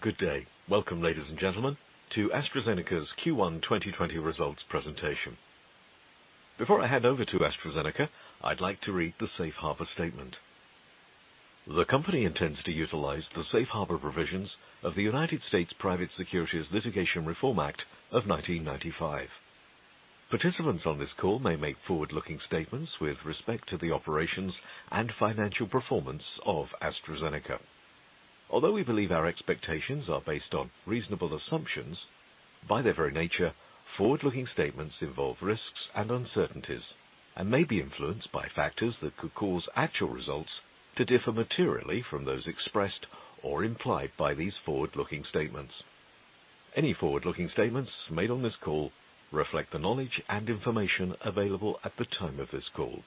Good day. Welcome, ladies and gentlemen, to AstraZeneca's Q1 2020 Results Presentation. Before I hand over to AstraZeneca, I'd like to read the safe harbor statement. The company intends to utilize the safe harbor provisions of the United States Private Securities Litigation Reform Act of 1995. Participants on this call may make forward-looking statements with respect to the operations and financial performance of AstraZeneca. Although we believe our expectations are based on reasonable assumptions, by their very nature, forward-looking statements involve risks and uncertainties and may be influenced by factors that could cause actual results to differ materially from those expressed or implied by these forward-looking statements. Any forward-looking statements made on this call reflect the knowledge and information available at the time of this call.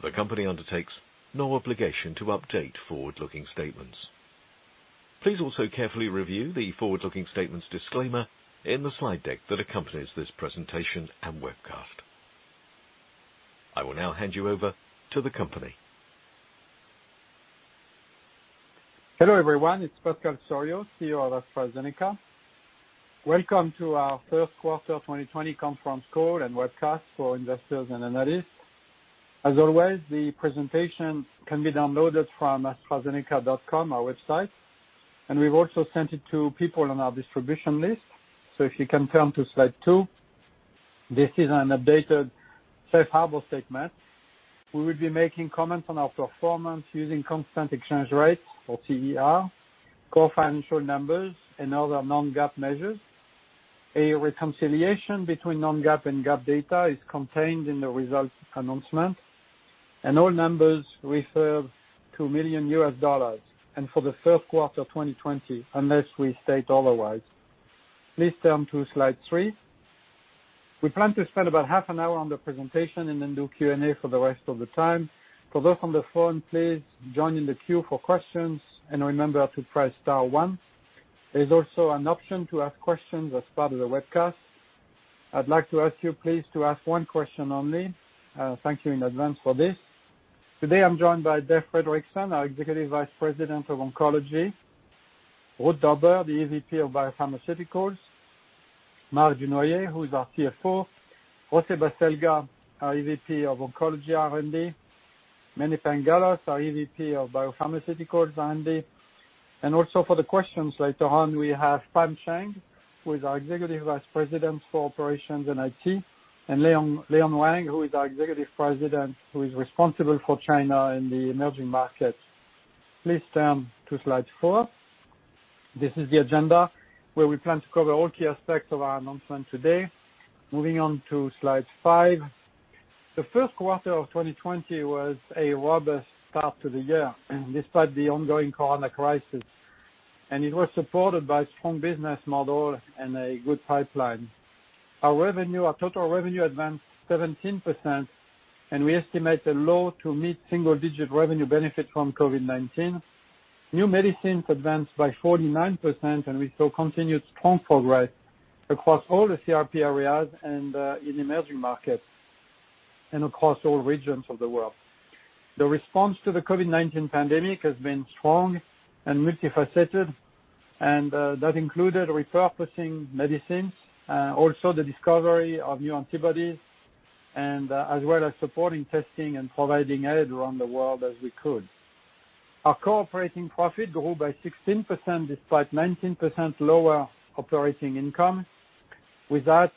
The company undertakes no obligation to update forward-looking statements. Please also carefully review the forward-looking statements disclaimer in the slide deck that accompanies this presentation and webcast. I will now hand you over to the company. Hello, everyone. It's Pascal Soriot, CEO of AstraZeneca. Welcome to our first quarter 2020 conference call and webcast for investors and analysts. As always, the presentation can be downloaded from astrazeneca.com, our website. We've also sent it to people on our distribution list. If you can turn to slide two, this is an updated safe harbor statement. We will be making comments on our performance using constant exchange rates or CER, core financial numbers, and other non-GAAP measures. A reconciliation between non-GAAP and GAAP data is contained in the results announcement. All numbers refer to million US dollars and for the first quarter 2020, unless we state otherwise. Please turn to slide three. We plan to spend about half an hour on the presentation. Then do Q&A for the rest of the time. For those on the phone, please join in the queue for questions and remember to press star one. There is also an option to ask questions as part of the webcast. I would like to ask you, please, to ask one question only. Thank you in advance for this. Today, I am joined by Dave Fredrickson, our Executive Vice President of Oncology, Ruud Dobber, the EVP of BioPharmaceuticals, Marc Dunoyer, who is our CFO, José Baselga, our EVP of Oncology R&D, Mene Pangalos, our EVP of BioPharmaceuticals R&D. Also for the questions later on, we have Pam Cheng, who is our Executive Vice President for Operations and IT, and Leon Wang, who is our Executive President, who is responsible for China and the emerging markets. Please turn to slide four. This is the agenda, where we plan to cover all key aspects of our announcement today. Moving on to slide five. The first quarter of 2020 was a robust start to the year, despite the ongoing corona crisis. It was supported by a strong business model and a good pipeline. Our total revenue advanced 17%, we estimate a low to mid-single-digit revenue benefit from COVID-19. New medicines advanced by 49%, we saw continued strong progress across all the therapy areas and in emerging markets and across all regions of the world. The response to the COVID-19 pandemic has been strong and multifaceted, that included repurposing medicines, also the discovery of new antibodies, as well as supporting testing and providing aid around the world as we could. Our core operating profit grew by 16%, despite 19% lower operating income. With that,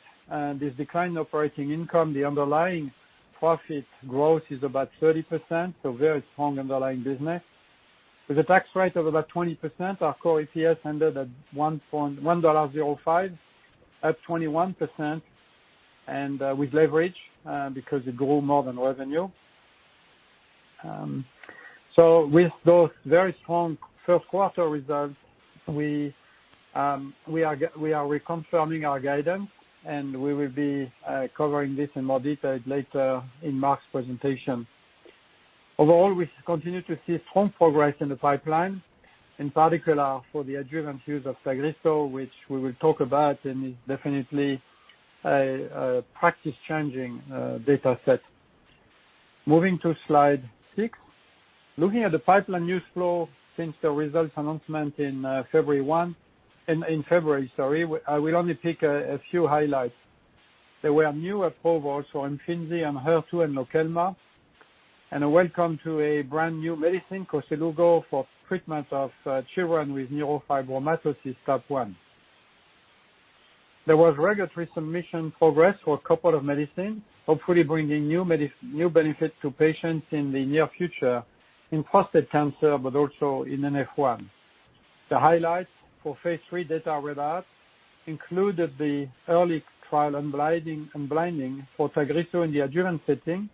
this decline in operating income, the underlying profit growth is about 30%, so very strong underlying business. With a tax rate of about 20%, our core EPS ended at $1.05, up 21% and with leverage, because it grew more than revenue. With those very strong first quarter results, we are reconfirming our guidance, and we will be covering this in more detail later in Marc's presentation. Overall, we continue to see strong progress in the pipeline, in particular for the adjuvant use of Tagrisso, which we will talk about, and is definitely a practice-changing data set. Moving to slide six. Looking at the pipeline news flow since the results announcement in February. I will only pick a few highlights. There were new approvals for IMFINZI ENHERTU and Lokelma, and a welcome to a brand-new medicine, KOSELUGO, for treatment of children with neurofibromatosis type 1. There was regulatory submission progress for a couple of medicines, hopefully bringing new benefit to patients in the near future in prostate cancer, but also in NF1. The highlights for phase III data readouts included the early trial unblinding for Tagrisso in the adjuvant setting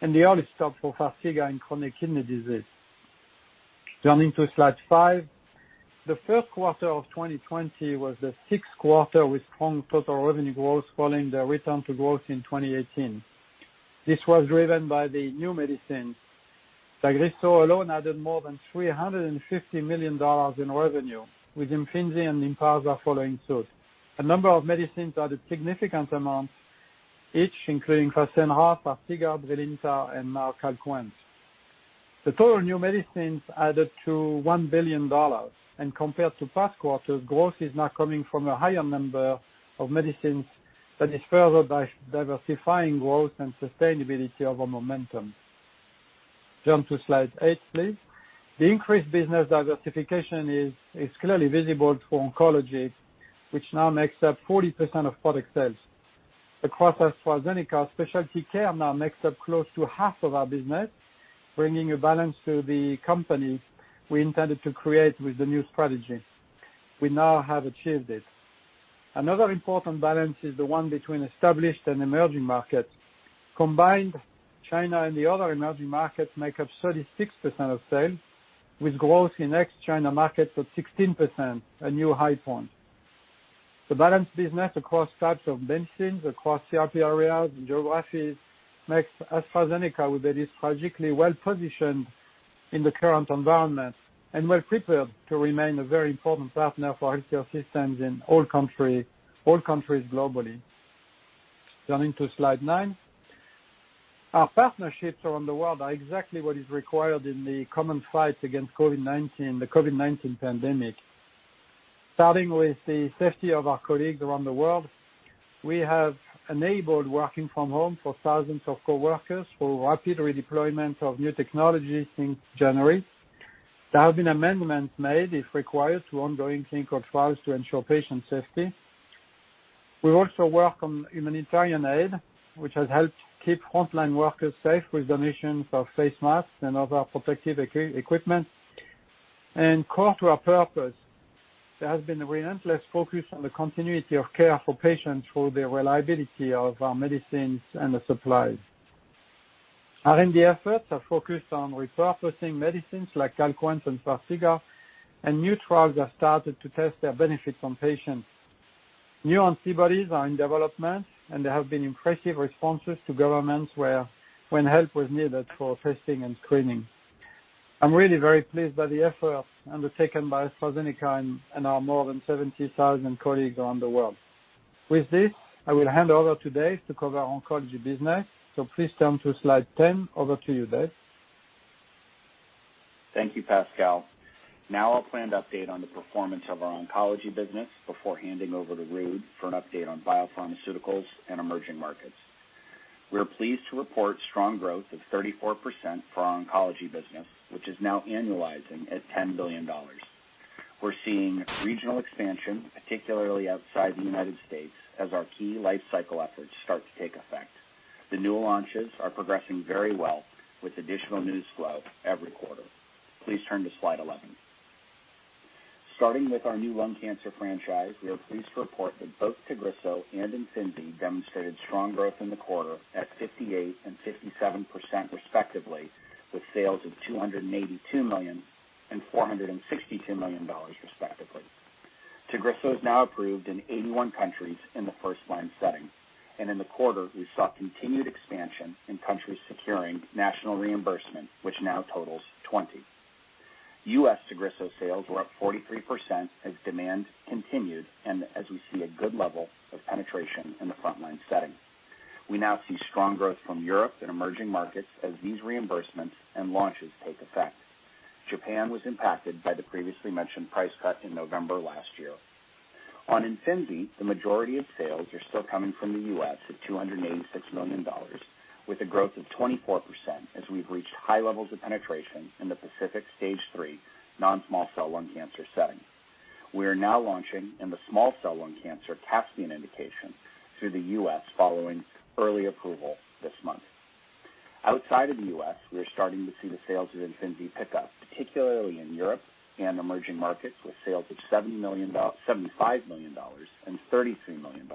and the early stop for Farxiga in chronic kidney disease. Turning to slide five. The first quarter of 2020 was the sixth quarter with strong total revenue growth following the return to growth in 2018. This was driven by the new medicines. Tagrisso alone added more than $350 million in revenue, with IMFINZI and LYNPARZA following suit. A number of medicines added significant amounts each, including Fasenra, Farxiga, Brilinta, and now CALQUENCE. The total new medicines added to $1 billion. Compared to past quarters, growth is now coming from a higher number of medicines that is further by diversifying growth and sustainability of our momentum. Jump to slide eight, please. The increased business diversification is clearly visible to Oncology, which now makes up 40% of product sales. Across AstraZeneca, Specialty Care now makes up close to half of our business, bringing a balance to the company we intended to create with the new strategy. We now have achieved it. Another important balance is the one between established and Emerging Markets. Combined, China and the other emerging markets make up 36% of sales, with growth in ex-China markets of 16%, a new high point. The balanced business across types of medicines, across therapy areas and geographies, makes AstraZeneca, we believe, strategically well-positioned in the current environment and well prepared to remain a very important partner for healthcare systems in all countries globally. Turning to slide nine. Our partnerships around the world are exactly what is required in the common fight against the COVID-19 pandemic. Starting with the safety of our colleagues around the world, we have enabled working from home for thousands of coworkers for rapid redeployment of new technologies since January. There have been amendments made, if required, to ongoing clinical trials to ensure patient safety. We also work on humanitarian aid, which has helped keep frontline workers safe with donations of face masks and other protective equipment. Core to our purpose, there has been a relentless focus on the continuity of care for patients through the reliability of our medicines and the supplies. R&D efforts are focused on repurposing medicines like CALQUENCE and Farxiga, and new trials have started to test their benefits on patients. New antibodies are in development, and there have been impressive responses to governments when help was needed for testing and screening. I'm really very pleased by the efforts undertaken by AstraZeneca and our more than 70,000 colleagues around the world. With this, I will hand over to Dave to cover our oncology business. Please turn to slide 10. Over to you, Dave. Thank you, Pascal. Now I'll planned update on the performance of our Oncology business before handing over to Ruud for an update on BioPharmaceuticals and Emerging Markets. We are pleased to report strong growth of 34% for our Oncology business, which is now annualizing at $10 billion. We're seeing regional expansion, particularly outside the U.S., as our key life cycle efforts start to take effect. The new launches are progressing very well, with additional news flow every quarter. Please turn to slide 11. Starting with our new lung cancer franchise, we are pleased to report that both Tagrisso and IMFINZI demonstrated strong growth in the quarter at 58% and 57% respectively, with sales of $282 million and $462 million respectively. Tagrisso is now approved in 81 countries in the first-line setting, and in the quarter, we saw continued expansion in countries securing national reimbursement, which now totals 20. U.S. Tagrisso sales were up 43% as demand continued and as we see a good level of penetration in the frontline setting. We now see strong growth from Europe and emerging markets as these reimbursements and launches take effect. Japan was impacted by the previously mentioned price cut in November last year. On IMFINZI, the majority of sales are still coming from the U.S. at $286 million, with a growth of 24% as we've reached high levels of penetration in the PACIFIC stage 3 non-small cell lung cancer setting. We are now launching in the small cell lung cancer setting indication through the U.S. following early approval this month. Outside of the U.S., we are starting to see the sales of IMFINZI pick up, particularly in Europe and emerging markets, with sales of $75 million and $33 million.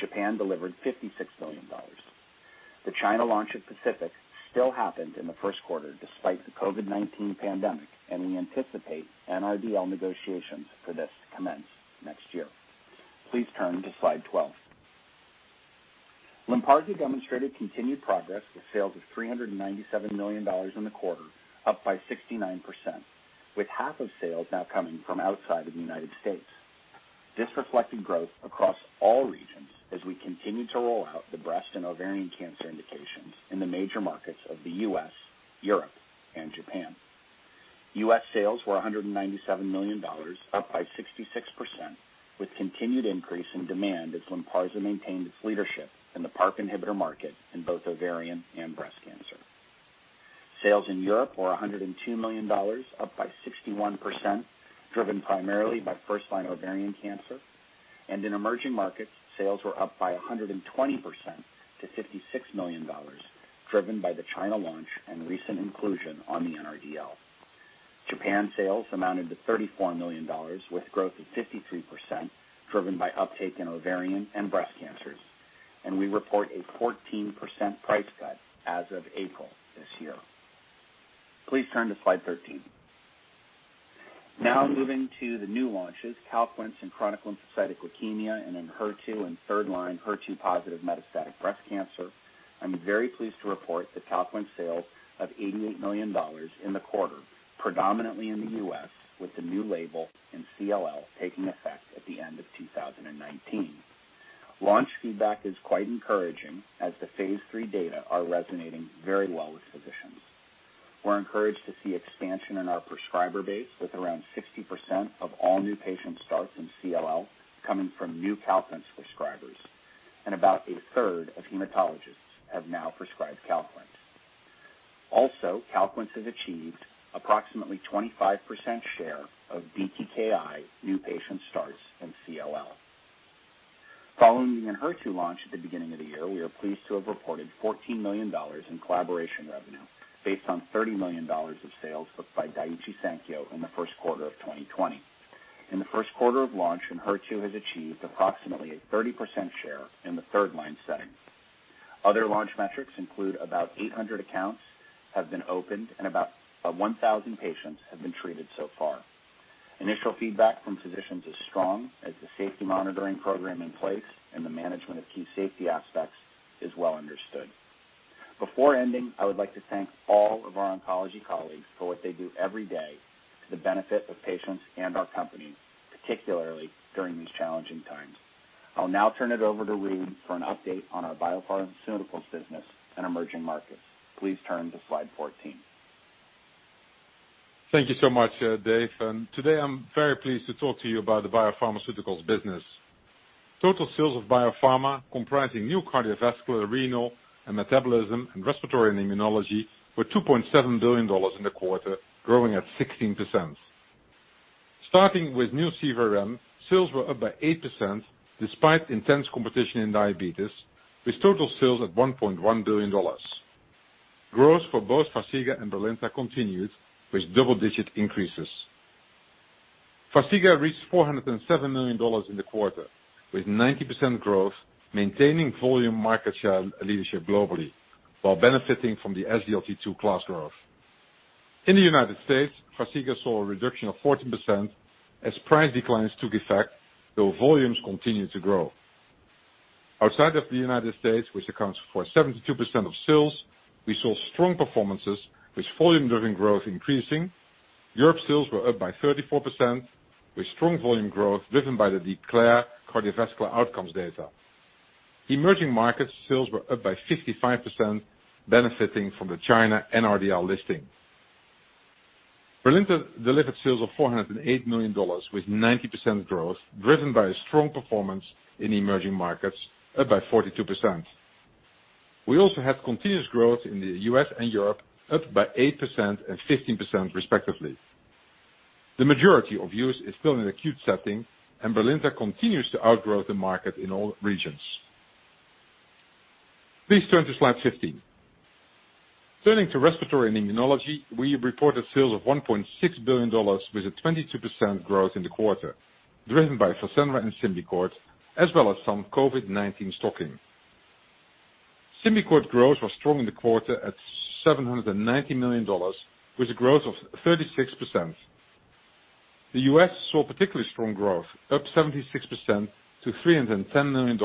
Japan delivered $56 million. The China launch of PACIFIC still happened in the first quarter despite the COVID-19 pandemic, and we anticipate NRDL negotiations for this to commence next year. Please turn to slide 12. LYNPARZA demonstrated continued progress, with sales of $397 million in the quarter, up by 69%, with half of sales now coming from outside of the U.S. This reflected growth across all regions as we continue to roll out the breast and ovarian cancer indications in the major markets of the U.S., Europe, and Japan. U.S. sales were $197 million, up by 66%, with continued increase in demand as LYNPARZA maintained its leadership in the PARP inhibitor market in both ovarian and breast cancer. Sales in Europe were $102 million, up by 61%, driven primarily by first-line ovarian cancer. In emerging markets, sales were up by 120% to $56 million, driven by the China launch and recent inclusion on the NRDL. Japan sales amounted to $34 million, with growth of 53%, driven by uptake in ovarian and breast cancers. We report a 14% price cut as of April this year. Please turn to slide 13. Now moving to the new launches, CALQUENCE in chronic lymphocytic leukemia and ENHERTU and third line HER2 positive metastatic breast cancer. I'm very pleased to report that CALQUENCE sales of $88 million in the quarter, predominantly in the U.S., with the new label in CLL taking effect at the end of 2019. Launch feedback is quite encouraging, as the phase III data are resonating very well with physicians. We're encouraged to see expansion in our prescriber base, with around 60% of all new patient starts in CLL coming from new CALQUENCE prescribers, and about a third of hematologists have now prescribed CALQUENCE. Also, CALQUENCE has achieved approximately 25% share of BTKI new patient starts in CLL. Following the ENHERTU launch at the beginning of the year, we are pleased to have reported $14 million in collaboration revenue based on $30 million of sales booked by Daiichi Sankyo in the first quarter of 2020. In the first quarter of launch, ENHERTU has achieved approximately a 30% share in the third-line setting. Other launch metrics include about 800 accounts have been opened and about 1,000 patients have been treated so far. Initial feedback from physicians is strong, as the safety monitoring program in place and the management of key safety aspects is well understood. Before ending, I would like to thank all of our oncology colleagues for what they do every day to the benefit of patients and our company, particularly during these challenging times. I'll now turn it over to Ruud for an update on our biopharmaceutical business and emerging markets. Please turn to slide 14. Thank you so much, Dave. Today I'm very pleased to talk to you about the Biopharmaceuticals business. Total sales of Biopharma, comprising new Cardiovascular, Renal, and Metabolism, and Respiratory and Immunology, were $2.7 billion in the quarter, growing at 16%. Starting with new CVRM, sales were up by 8% despite intense competition in diabetes, with total sales at $1.1 billion. Growth for both Farxiga and Brilinta continued with double-digit increases. Farxiga reached $407 million in the quarter, with 90% growth maintaining volume market share leadership globally while benefiting from the SGLT2 class growth. In the U.S., Farxiga saw a reduction of 14% as price declines took effect, though volumes continued to grow. Outside of the U.S., which accounts for 72% of sales, we saw strong performances with volume-driven growth increasing. Europe sales were up by 34%, with strong volume growth driven by the DECLARE cardiovascular outcomes data. Emerging Markets sales were up by 55%, benefiting from the China NRDL listing. Brilinta delivered sales of $408 million with 90% growth, driven by a strong performance in Emerging Markets, up by 42%. We also had continuous growth in the U.S. and Europe, up by 8% and 15% respectively. The majority of use is still in acute settings. Brilinta continues to outgrow the market in all regions. Please turn to slide 15. Turning to respiratory and immunology, we have reported sales of $1.6 billion with a 22% growth in the quarter, driven by Fasenra and Symbicort, as well as some COVID-19 stocking. Symbicort growth was strong in the quarter at $790 million, with a growth of 36%. The U.S. saw particularly strong growth, up 76% to $310 million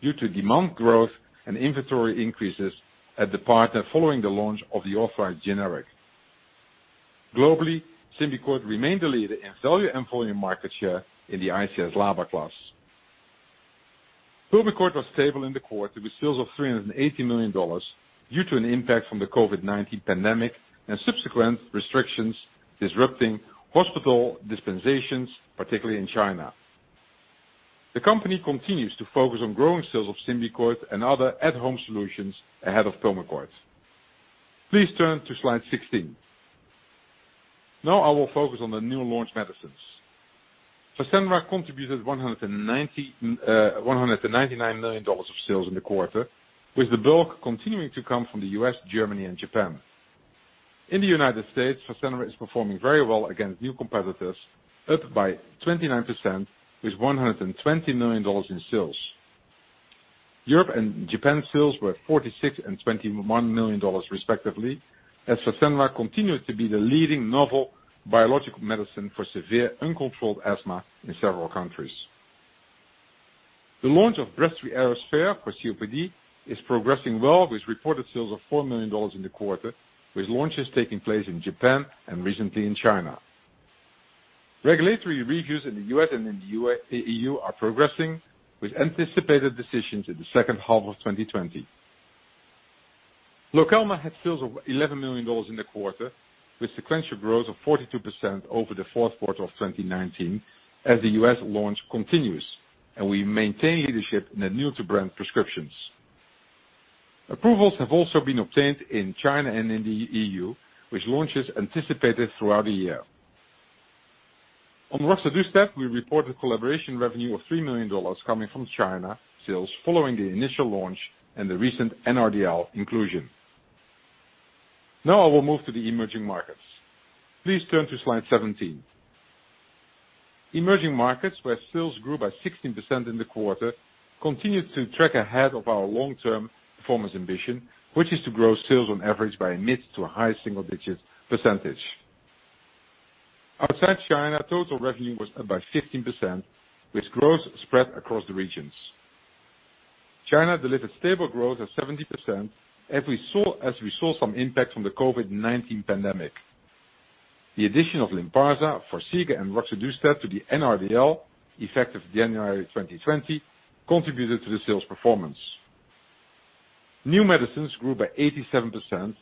due to demand growth and inventory increases at the partner following the launch of the authorized generic. Globally, Symbicort remained the leader in value and volume market share in the ICS/LABA class. Pulmicort was stable in the quarter with sales of $380 million due to an impact from the COVID-19 pandemic and subsequent restrictions disrupting hospital dispensations, particularly in China. The company continues to focus on growing sales of Symbicort and other at-home solutions ahead of Pulmicort. Please turn to slide 16. Now I will focus on the new launch medicines. Fasenra contributed $199 million of sales in the quarter, with the bulk continuing to come from the U.S., Germany and Japan. In the United States, Fasenra is performing very well against new competitors, up by 29% with $120 million in sales. Europe and Japan sales were $46 million and $21 million respectively, as Fasenra continues to be the leading novel biological medicine for severe uncontrolled asthma in several countries. The launch of Breztri Aerosphere for COPD is progressing well with reported sales of $4 million in the quarter, with launches taking place in Japan and recently in China. Regulatory reviews in the U.S. and in the EU are progressing, with anticipated decisions in the second half of 2020. Lokelma had sales of $11 million in the quarter, with sequential growth of 42% over the fourth quarter of 2019 as the U.S. launch continues and we maintain leadership in the new-to-brand prescriptions. Approvals have also been obtained in China and in the EU, with launches anticipated throughout the year. On roxadustat, we reported collaboration revenue of $3 million coming from China sales following the initial launch and the recent NRDL inclusion. Now I will move to the emerging markets. Please turn to slide 17. Emerging markets, where sales grew by 16% in the quarter, continued to track ahead of our long-term performance ambition, which is to grow sales on average by a mid to a high single-digit percentage. Outside China, total revenue was up by 15%, with growth spread across the regions. China delivered stable growth of 70%, as we saw some impact from the COVID-19 pandemic. The addition of LYNPARZA, Forxiga, and roxadustat to the NRDL, effective January 2020, contributed to the sales performance. New medicines grew by 87%,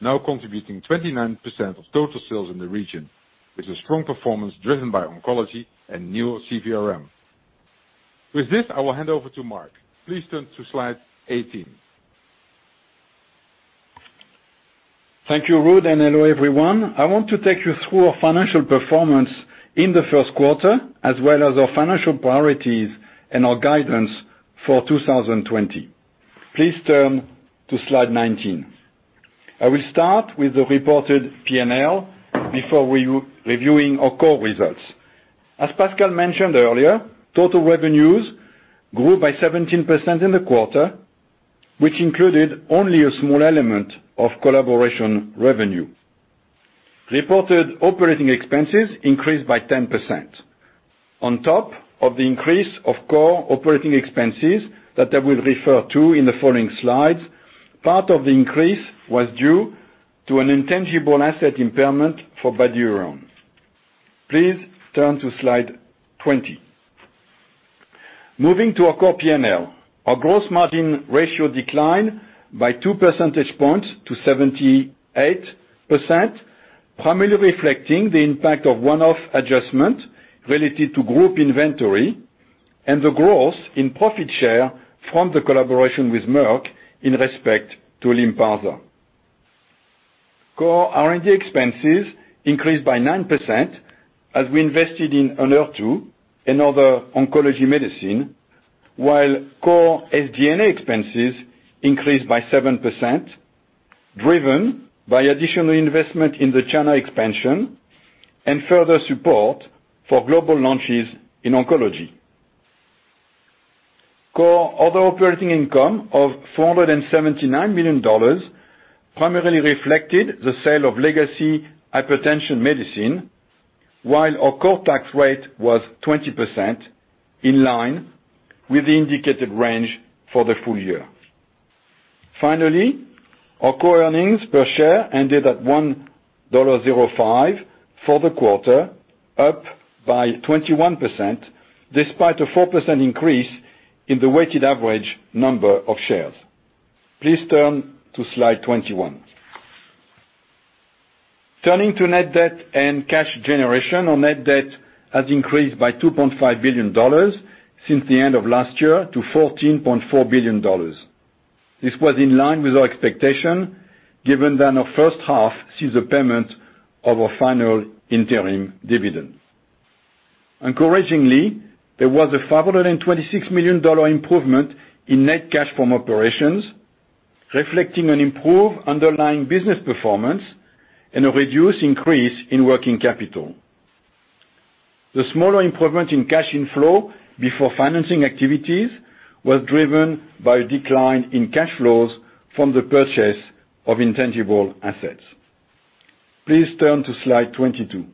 now contributing 29% of total sales in the region, with a strong performance driven by oncology and new CVRM. With this, I will hand over to Marc. Please turn to Slide 18. Thank you, Ruud, and hello, everyone. I want to take you through our financial performance in the first quarter, as well as our financial priorities and our guidance for 2020. Please turn to Slide 19. I will start with the reported P&L before reviewing our core results. As Pascal mentioned earlier, total revenues grew by 17% in the quarter, which included only a small element of collaboration revenue. Reported operating expenses increased by 10%. On top of the increase of core operating expenses that I will refer to in the following slides, part of the increase was due to an intangible asset impairment for Bydureon. Please turn to Slide 20. Moving to our core P&L. Our gross margin ratio declined by two percentage points to 78%, primarily reflecting the impact of one-off adjustment related to group inventory and the growth in profit share from the collaboration with Merck in respect to LYNPARZA. Core R&D expenses increased by 9% as we invested in ENHERTU, another oncology medicine, while core SG&A expenses increased by 7%, driven by additional investment in the China expansion and further support for global launches in oncology. Core other operating income of $479 million primarily reflected the sale of legacy hypertension medicine, while our core tax rate was 20%, in line with the indicated range for the full year. Finally, our core earnings per share ended at $1.05 for the quarter, up by 21%, despite a 4% increase in the weighted average number of shares. Please turn to Slide 21. Turning to net debt and cash generation. Our net debt has increased by $2.5 billion since the end of last year to $14.4 billion. This was in line with our expectation, given that our first half sees a payment of our final interim dividend. Encouragingly, there was a $526 million improvement in net cash from operations, reflecting an improved underlying business performance and a reduced increase in working capital. The smaller improvement in cash inflow before financing activities was driven by a decline in cash flows from the purchase of intangible assets. Please turn to Slide 22.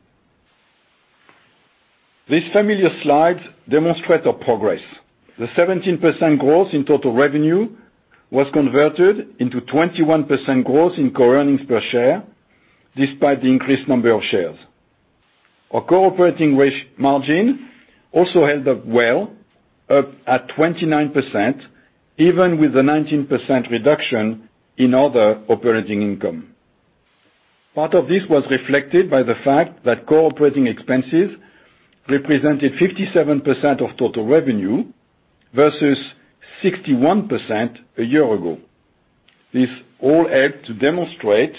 These familiar slides demonstrate our progress. The 17% growth in total revenue was converted into 21% growth in core earnings per share, despite the increased number of shares. Our core operating margin also held up well, up at 29%, even with a 19% reduction in other operating income. Part of this was reflected by the fact that core operating expenses represented 57% of total revenue versus 61% a year ago. This all helped to demonstrate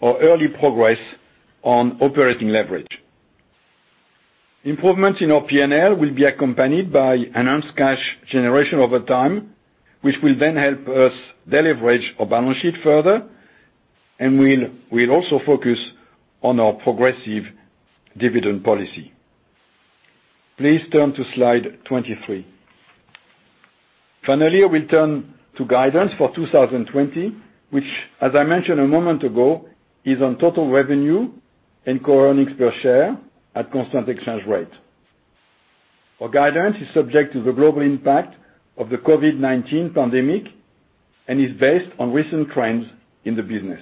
our early progress on operating leverage. Improvements in our P&L will be accompanied by enhanced cash generation over time, which will then help us deleverage our balance sheet further, and we'll also focus on our progressive dividend policy. Please turn to Slide 23. We turn to guidance for 2020, which, as I mentioned a moment ago, is on total revenue and core earnings per share at constant exchange rate. Our guidance is subject to the global impact of the COVID-19 pandemic and is based on recent trends in the business.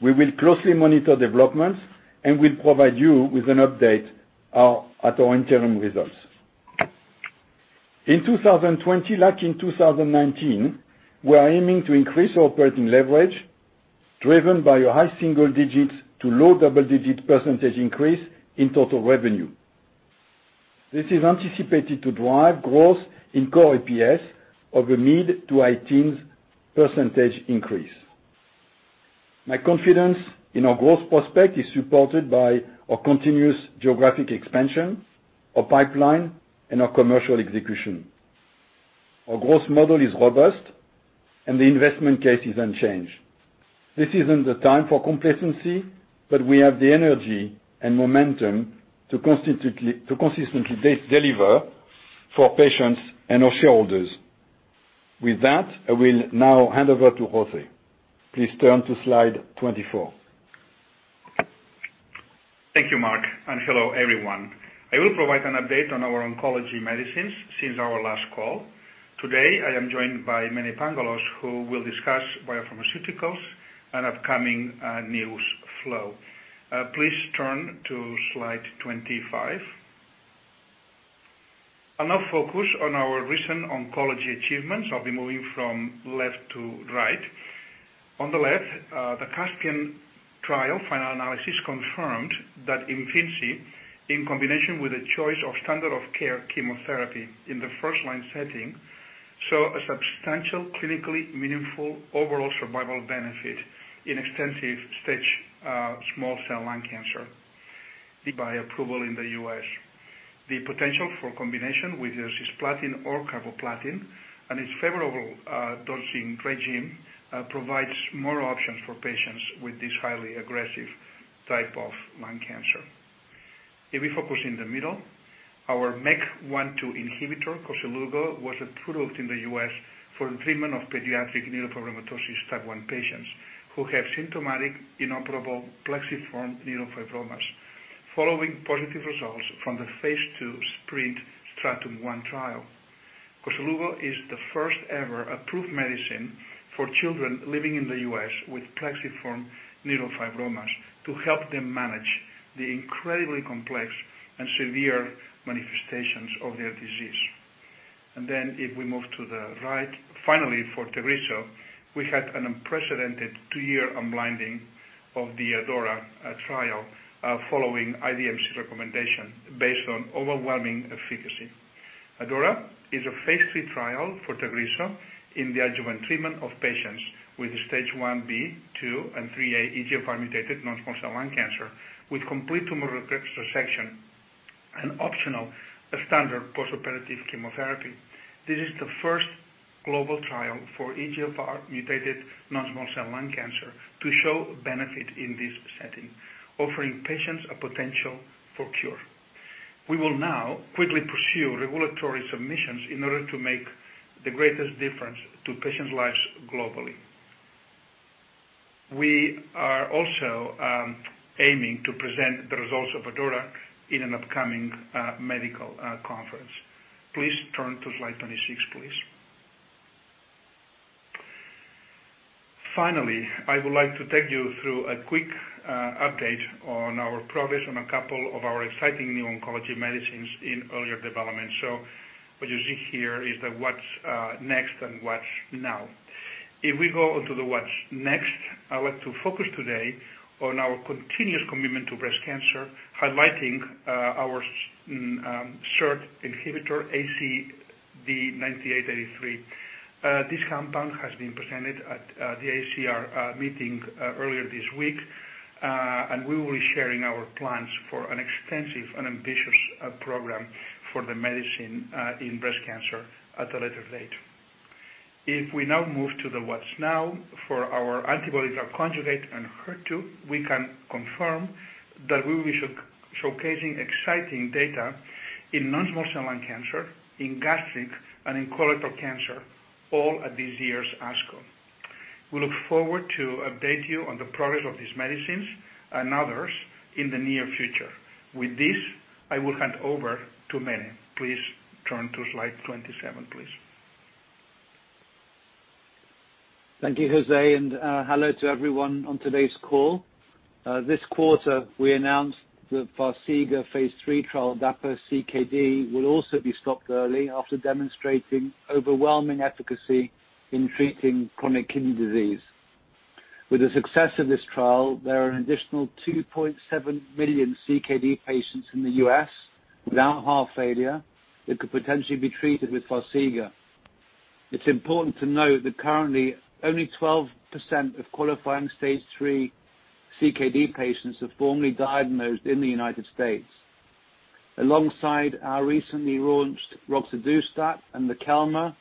We will closely monitor developments and will provide you with an update at our interim results. In 2020, like in 2019, we are aiming to increase our operating leverage, driven by a high single digits to low double-digit percentage increase in total revenue. This is anticipated to drive growth in core EPS of a mid-to-high teens percentage increase. My confidence in our growth prospect is supported by our continuous geographic expansion, our pipeline, and our commercial execution. Our growth model is robust and the investment case is unchanged. This isn't the time for complacency, but we have the energy and momentum to consistently deliver for our patients and our shareholders. With that, I will now hand over to José. Please turn to slide 24. Thank you, Marc, and hello everyone. I will provide an update on our oncology medicines since our last call. Today, I am joined by Mene Pangalos, who will discuss biopharmaceuticals and upcoming news flow. Please turn to slide 25. I'll now focus on our recent oncology achievements. I'll be moving from left to right. On the left, the CASPIAN trial final analysis confirmed that IMFINZI, in combination with a choice of standard of care chemotherapy in the first-line setting, saw a substantial, clinically meaningful overall survival benefit in extensive stage small cell lung cancer. By approval in the U.S., the potential for combination with cisplatin or carboplatin, and its favorable dosing regime provides more options for patients with this highly aggressive type of lung cancer. If we focus in the middle, our MEK1/2 inhibitor, KOSELUGO, was approved in the U.S. for treatment of pediatric neurofibromatosis type 1 patients who have symptomatic inoperable plexiform neurofibromas following positive results from the phase II SPRINT Stratum 1 trial. KOSELUGO is the first ever approved medicine for children living in the U.S. with plexiform neurofibromas to help them manage the incredibly complex and severe manifestations of their disease. If we move to the right, finally, for Tagrisso, we had an unprecedented two-year unblinding of the ADAURA trial, following IDMC recommendation based on overwhelming efficacy. ADAURA is a phase III trial for Tagrisso in the adjuvant treatment of patients with stage IB, II, and IIIA EGFR-mutated non-small cell lung cancer with complete tumor resection and optional standard postoperative chemotherapy. This is the first global trial for EGFR-mutated non-small cell lung cancer to show benefit in this setting, offering patients a potential for cure. We will now quickly pursue regulatory submissions in order to make the greatest difference to patients' lives globally. We are also aiming to present the results of ADAURA in an upcoming medical conference. Please turn to slide 26, please. I would like to take you through a quick update on our progress on a couple of our exciting new oncology medicines in earlier development. What you see here is the what's next and watch now. If we go on to the what's next, I want to focus today on our continuous commitment to breast cancer, highlighting our SERD inhibitor, AZD9833. This compound has been presented at the AACR meeting earlier this week, and we will be sharing our plans for an extensive and ambitious program for the medicine in breast cancer at a later date. If we now move to the what's now for our antibody conjugate and HER2, we can confirm that we will be showcasing exciting data in non-small cell lung cancer, in gastric, and in colorectal cancer, all at this year's ASCO. We look forward to update you on the progress of these medicines and others in the near future. With this, I will hand over to Mene. Please turn to slide 27, please. Thank you, José, and hello to everyone on today's call. This quarter, we announced that Farxiga phase III trial, DAPA-CKD, will also be stopped early after demonstrating overwhelming efficacy in treating chronic kidney disease. With the success of this trial, there are an additional 2.7 million CKD patients in the U.S. without heart failure that could potentially be treated with Farxiga. It's important to note that currently, only 12% of qualifying stage 3 CKD patients are formally diagnosed in the United States. Alongside our recently launched roxadustat and Lokelma,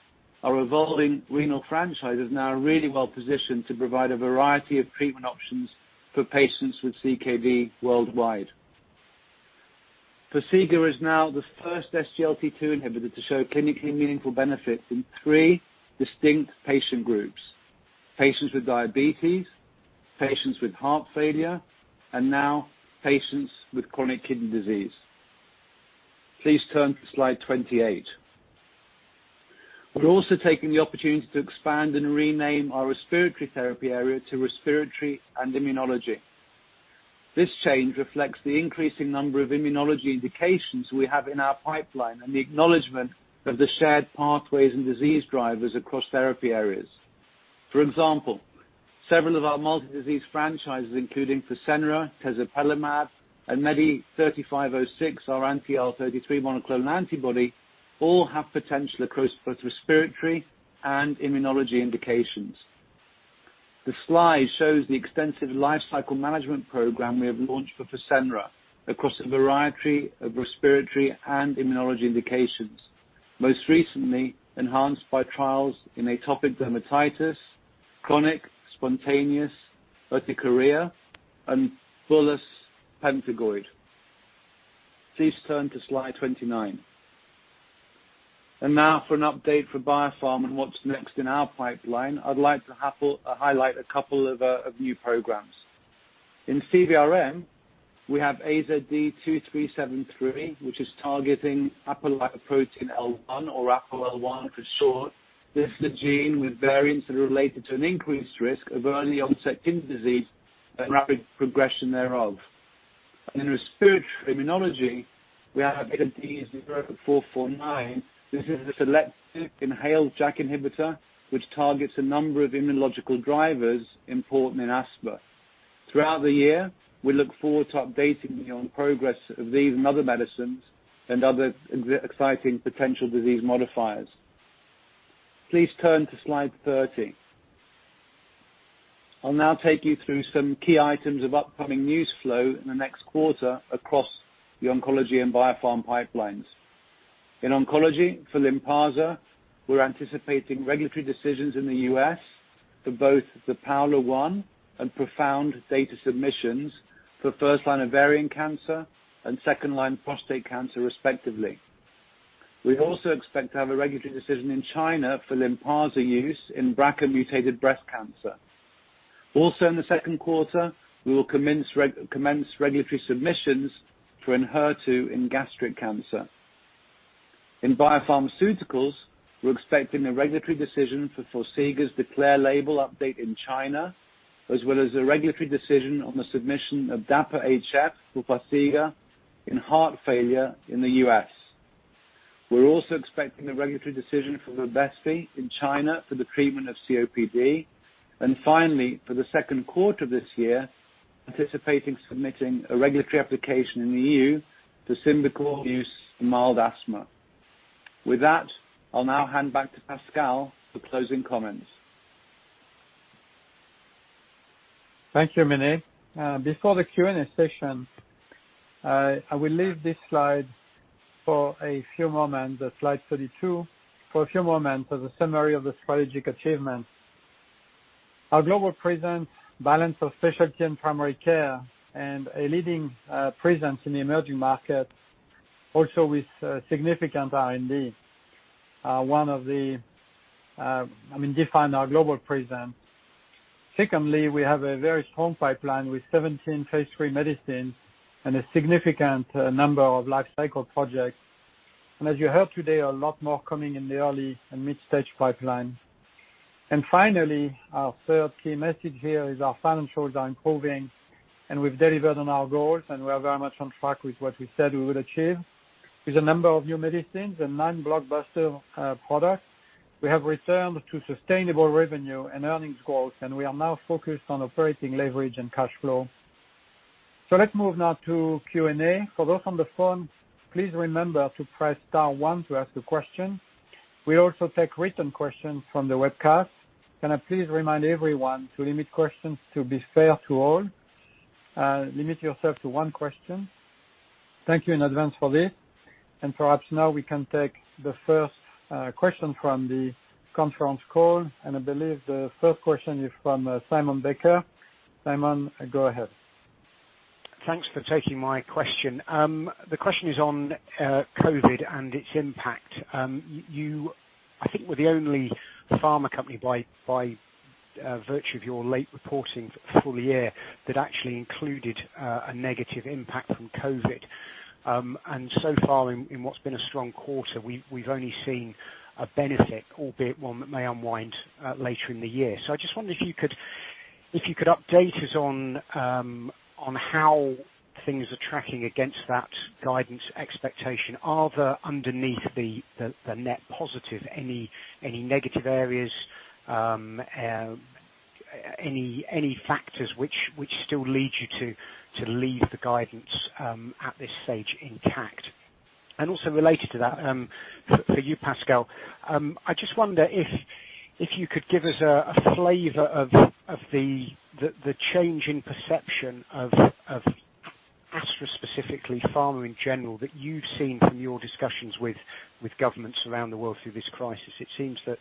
our evolving renal franchise is now really well positioned to provide a variety of treatment options for patients with CKD worldwide. Farxiga is now the first SGLT2 inhibitor to show clinically meaningful benefit in three distinct patient groups: patients with diabetes, patients with heart failure, and now patients with chronic kidney disease. Please turn to slide 28. We're also taking the opportunity to expand and rename our Respiratory therapy area to Respiratory and Immunology. This change reflects the increasing number of immunology indications we have in our pipeline and the acknowledgment of the shared pathways and disease drivers across therapy areas. For example, several of our multi-disease franchises, including Fasenra, tezepelumab, and MEDI3506, our anti-IL-33 monoclonal antibody, all have potential across both Respiratory and Immunology indications. The slide shows the extensive lifecycle management program we have launched for Fasenra across a variety of Respiratory and Immunology indications, most recently enhanced by trials in atopic dermatitis, chronic spontaneous urticaria, and bullous pemphigoid. Please turn to slide 29. Now for an update for BioPharm and what's next in our pipeline, I'd like to highlight a couple of new programs. In CVRM, we have AZD2373, which is targeting apolipoprotein L1, or APOL1 for short. This is a gene with variants that are related to an increased risk of early onset kidney disease and rapid progression thereof. In respiratory immunology, we have AZD0449. This is a selective inhaled JAK inhibitor, which targets a number of immunological drivers important in asthma. Throughout the year, we look forward to updating you on progress of these and other medicines and other exciting potential disease modifiers. Please turn to slide 30. I'll now take you through some key items of upcoming news flow in the next quarter across the oncology and biopharm pipelines. In oncology for LYNPARZA, we're anticipating regulatory decisions in the U.S. for both the PAOLA-1 and PROfound data submissions for first-line ovarian cancer and second-line prostate cancer, respectively. We also expect to have a regulatory decision in China for LYNPARZA use in BRCA-mutated breast cancer. Also in the second quarter, we will commence regulatory submissions for ENHERTU in gastric cancer. In biopharmaceuticals, we're expecting a regulatory decision for Farxiga's DECLARE label update in China, as well as a regulatory decision on the submission of DAPA-HF for Farxiga in heart failure in the U.S. We're also expecting a regulatory decision for Bevespi in China for the treatment of COPD. Finally, for the second quarter of this year, anticipating submitting a regulatory application in the EU for Symbicort use in mild asthma. With that, I'll now hand back to Pascal for closing comments. Thank you, Mene. Before the Q&A session, I will leave this slide for a few moments, slide 32, for a few moments as a summary of the strategic achievements. Our global presence, balance of specialty and primary care, and a leading presence in the Emerging Markets ex-China, also with significant R&D. One of the Define our global presence. Secondly, we have a very strong pipeline with 17 phase III medicines and a significant number of life cycle projects. As you heard today, a lot more coming in the early and mid-stage pipeline. Finally, our third key message here is our financials are improving, and we've delivered on our goals, and we are very much on track with what we said we would achieve. With a number of new medicines and nine blockbuster products, we have returned to sustainable revenue and earnings growth, we are now focused on operating leverage and cash flow. Let's move now to Q&A. For those on the phone, please remember to press star one to ask a question. We also take written questions from the webcast. Can I please remind everyone to limit questions to be fair to all. Limit yourself to one question. Thank you in advance for this. Perhaps now we can take the first question from the conference call. I believe the first question is from Simon Baker. Simon, go ahead. Thanks for taking my question. The question is on COVID and its impact. You, I think, were the only pharma company by virtue of your late reporting for the full year that actually included a negative impact from COVID. So far in what's been a strong quarter, we've only seen a benefit, albeit one that may unwind later in the year. I just wondered if you could update us on how things are tracking against that guidance expectation. Are there, underneath the net positive, any negative areas, any factors which still lead you to leave the guidance at this stage intact? Also related to that, for you, Pascal, I just wonder if you could give us a flavor of the change in perception of Astra, specifically pharma in general, that you've seen from your discussions with governments around the world through this crisis. It seems that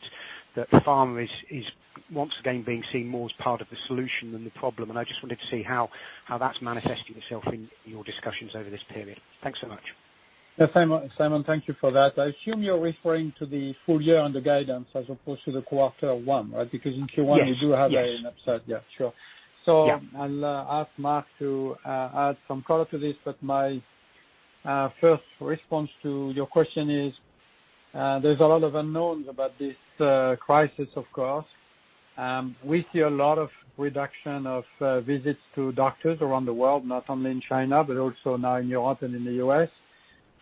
pharma is once again being seen more as part of the solution than the problem, and I just wanted to see how that's manifesting itself in your discussions over this period. Thanks so much. Yeah, Simon, thank you for that. I assume you're referring to the full year on the guidance as opposed to the quarter one, right? Yes we do have an upside. Yeah, sure. Yeah. I'll ask Marc to add some color to this, but my first response to your question is, there's a lot of unknowns about this crisis, of course. We see a lot of reduction of visits to doctors around the world, not only in China, but also now in Europe and in the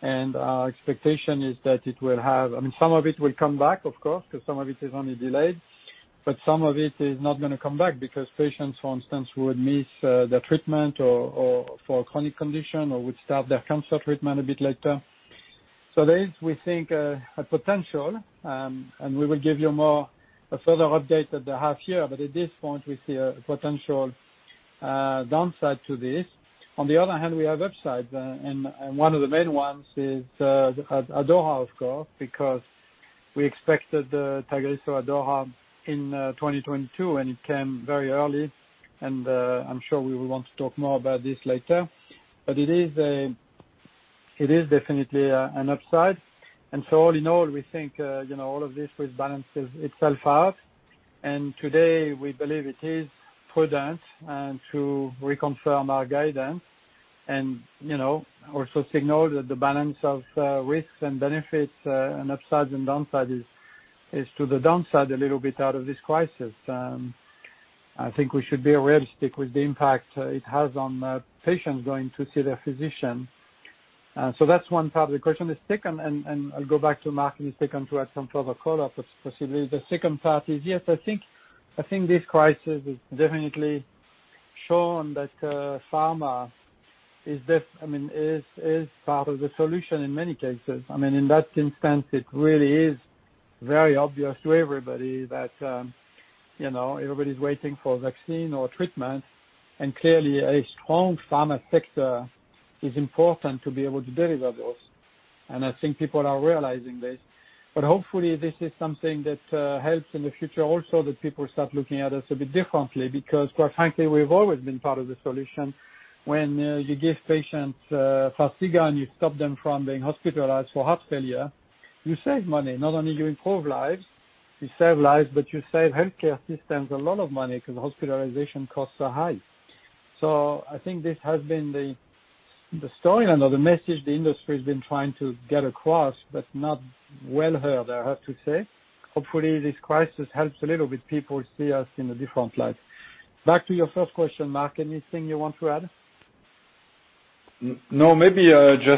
U.S. Our expectation is that it will have some of it will come back, of course, because some of it is only delayed, but some of it is not going to come back because patients, for instance, would miss their treatment for a chronic condition or would start their cancer treatment a bit later. This, we think, has potential, and we will give you more, a further update at the half year. At this point, we see a potential downside to this. On the other hand, we have upsides, one of the main ones is ADAURA, of course, because we expected Tagrisso ADAURA in 2022, and it came very early. I'm sure we will want to talk more about this later. It is definitely an upside. All in all, we think all of this will balance itself out. Today, we believe it is prudent to reconfirm our guidance and also signal that the balance of risks and benefits and upsides and downsides is to the downside a little bit out of this crisis. I think we should be realistic with the impact it has on patients going to see their physician. That's one part of the question. The second, I'll go back to Marc in a second to add some color possibly. The second part is, yes, I think this crisis has definitely shown that pharma is part of the solution in many cases. In that instance, it really is very obvious to everybody that everybody's waiting for a vaccine or treatment. Clearly a strong pharma sector is important to be able to deliver those. I think people are realizing this. Hopefully this is something that helps in the future also that people start looking at us a bit differently because, quite frankly, we've always been part of the solution. When you give patients Farxiga, and you stop them from being hospitalized for heart failure, you save money. Not only do you improve lives, you save lives, but you save healthcare systems a lot of money because hospitalization costs are high. I think this has been the storyline or the message the industry has been trying to get across, but not well-heard, I have to say. Hopefully, this crisis helps a little bit people see us in a different light. Back to your first question, Marc, anything you want to add? Thank you,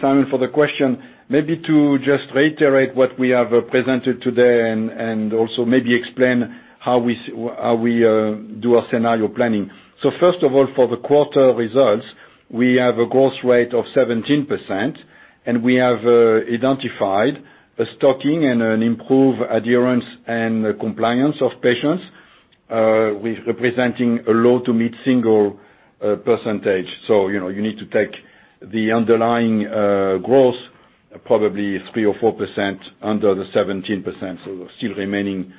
Simon, for the question. To just reiterate what we have presented today and also explain how we do our scenario planning. First of all, for the quarter results, we have a growth rate of 17%, and we have identified a stocking and an improved adherence and compliance of patients, with representing a low to mid-single percentage. You need to take the underlying growth, probably 3% or 4% under the 17%, still remaining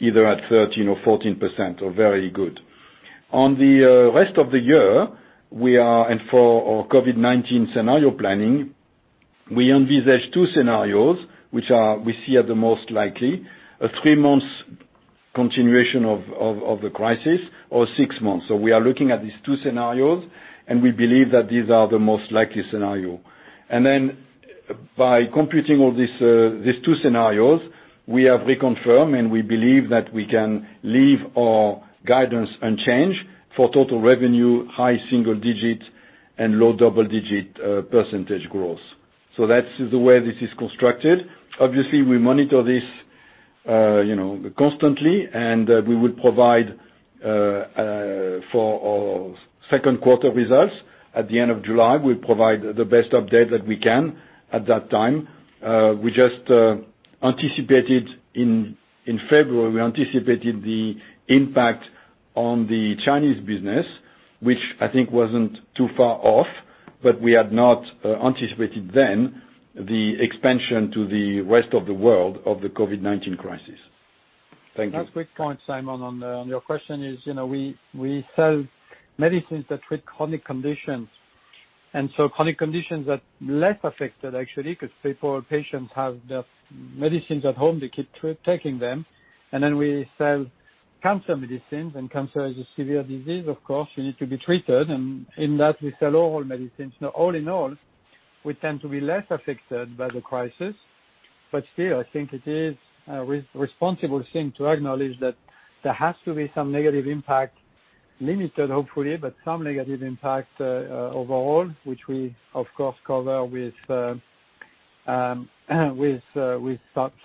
either at 13% or 14%, or very good. On the rest of the year, for our COVID-19 scenario planning, we envisage two scenarios, which we see are the most likely. A three-month continuation of the crisis or six months. We are looking at these two scenarios, and we believe that these are the most likely scenarios. By completing these two scenarios, we have reconfirmed, and we believe that we can leave our guidance unchanged for total revenue, high single-digit, and low double-digit percentage growth. That is the way this is constructed. Obviously, we monitor this constantly, and we will provide for our second quarter results at the end of July. We'll provide the best update that we can at that time. In February, we anticipated the impact on the Chinese business, which I think wasn't too far off, but we had not anticipated then the expansion to the rest of the world of the COVID-19 crisis. Thank you. One quick point, Simon, on your question is, we sell medicines that treat chronic conditions. Chronic conditions are less affected actually because people or patients have their medicines at home. They keep taking them. We sell cancer medicines. Cancer is a severe disease, of course, you need to be treated. In that, we sell all medicines. All in all, we tend to be less affected by the crisis. Still, I think it is a responsible thing to acknowledge that there has to be some negative impact, limited, hopefully, but some negative impact overall, which we, of course, cover with some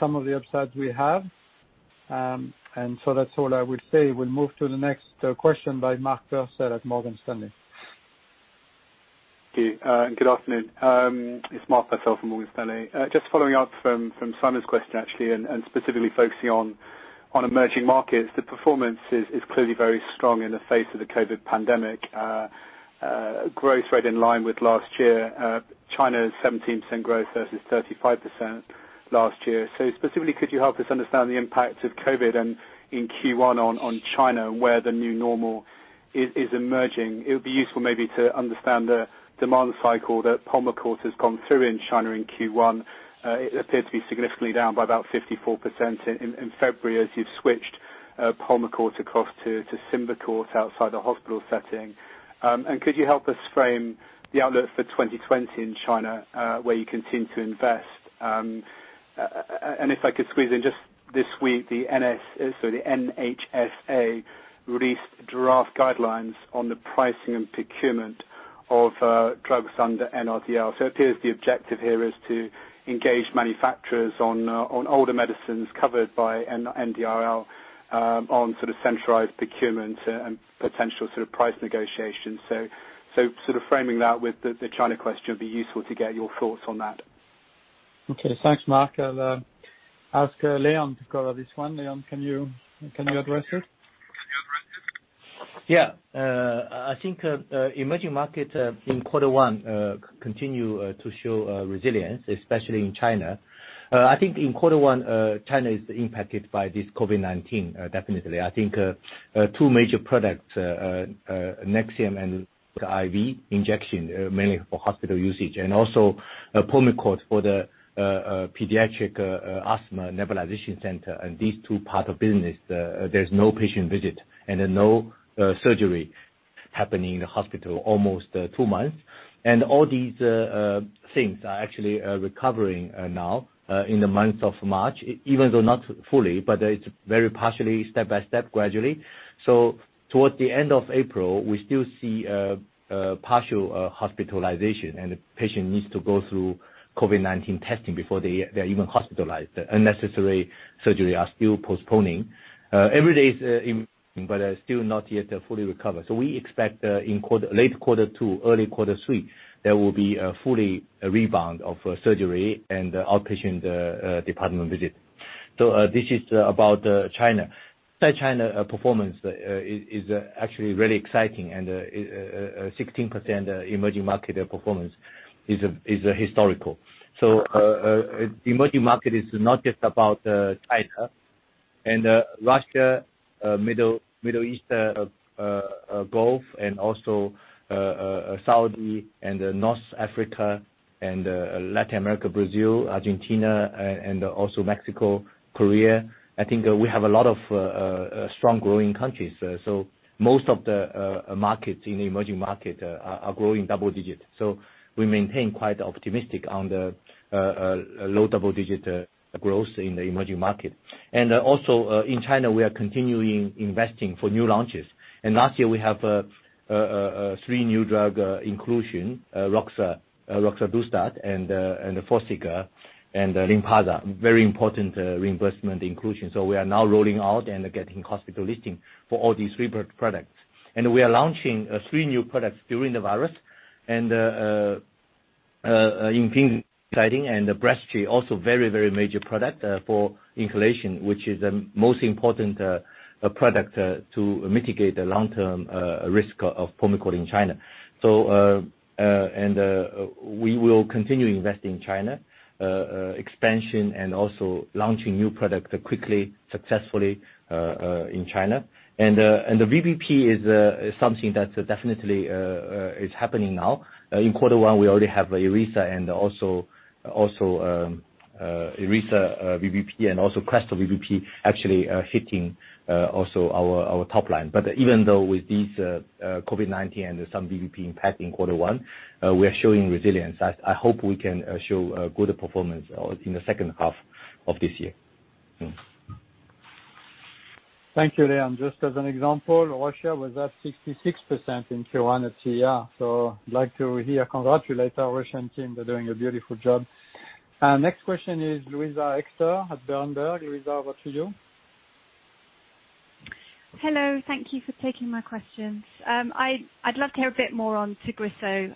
of the upside we have. That's all I will say. We'll move to the next question by Mark Purcell at Morgan Stanley. Okay. Good afternoon. It's Mark Purcell from Morgan Stanley. Just following up from Simon's question actually, specifically focusing on emerging markets. The performance is clearly very strong in the face of the COVID pandemic. Growth rate in line with last year. China is 17% growth versus 35% last year. Specifically, could you help us understand the impact of COVID and in Q1 on China, where the new normal is emerging? It would be useful maybe to understand the demand cycle that Pulmicort has gone through in China in Q1. It appeared to be significantly down by about 54% in February as you've switched Pulmicort across to Symbicort outside the hospital setting. Could you help us frame the outlook for 2020 in China, where you continue to invest? If I could squeeze in just this week, the NHSA released draft guidelines on the pricing and procurement of drugs under NRDL. It appears the objective here is to engage manufacturers on older medicines covered by NRDL on sort of centralized procurement and potential sort of price negotiations. Sort of framing that with the China question, it would be useful to get your thoughts on that. Okay. Thanks, Mark. I'll ask Leon to cover this one. Leon, can you address it? Yeah. I think emerging markets in quarter one continue to show resilience, especially in China. I think in quarter one, China is impacted by this COVID-19, definitely. I think two major products, NEXIUM and IV injection, mainly for hospital usage and also Pulmicort for the pediatric asthma nebulization center. These two parts of business, there's no patient visit and no surgery happening in the hospital almost two months. All these things are actually recovering now in the month of March, even though not fully, but it's very partially step by step gradually. Towards the end of April, we still see partial hospitalization and the patient needs to go through COVID-19 testing before they're even hospitalized. Unnecessary surgery are still postponing. Every day is improving, but still not yet fully recovered. We expect in late quarter two, early quarter three, there will be a fully rebound of surgery and outpatient department visit. This is about China. China performance is actually really exciting and 16% emerging market performance is historical. Emerging market is not just about China and Russia, Middle East, Gulf, and also Saudi and North Africa and Latin America, Brazil, Argentina, and also Mexico, Korea. I think we have a lot of strong growing countries. Most of the markets in the emerging market are growing double digits. We maintain quite optimistic on the low double-digit growth in the emerging market. Also in China, we are continuing investing for new launches. Last year we have three new drug inclusion, roxadustat and Forxiga and LYNPARZA, very important reimbursement inclusion. We are now rolling out and getting hospital listing for all these three products. We are launching three new products during the virus. Breztri also very major product for inhalation, which is the most important product to mitigate the long-term risk of Pulmicort in China. We will continue investing in China expansion and also launching new product quickly, successfully in China. The VBP is something that definitely is happening now. In quarter one, we already have Iressa VBP and also CRESTOR VBP actually hitting also our top line. Even though with this COVID-19 and some VBP impact in quarter one, we are showing resilience. I hope we can show good performance in the second half of this year. Thank you, Leon. Just as an example, Russia was at 66% in Q1 at CR. I'd like to here congratulate our Russian team. They're doing a beautiful job. Next question is Luisa Hector at Berenberg. Luisa, over to you. Hello. Thank you for taking my questions. I'd love to hear a bit more on Tagrisso.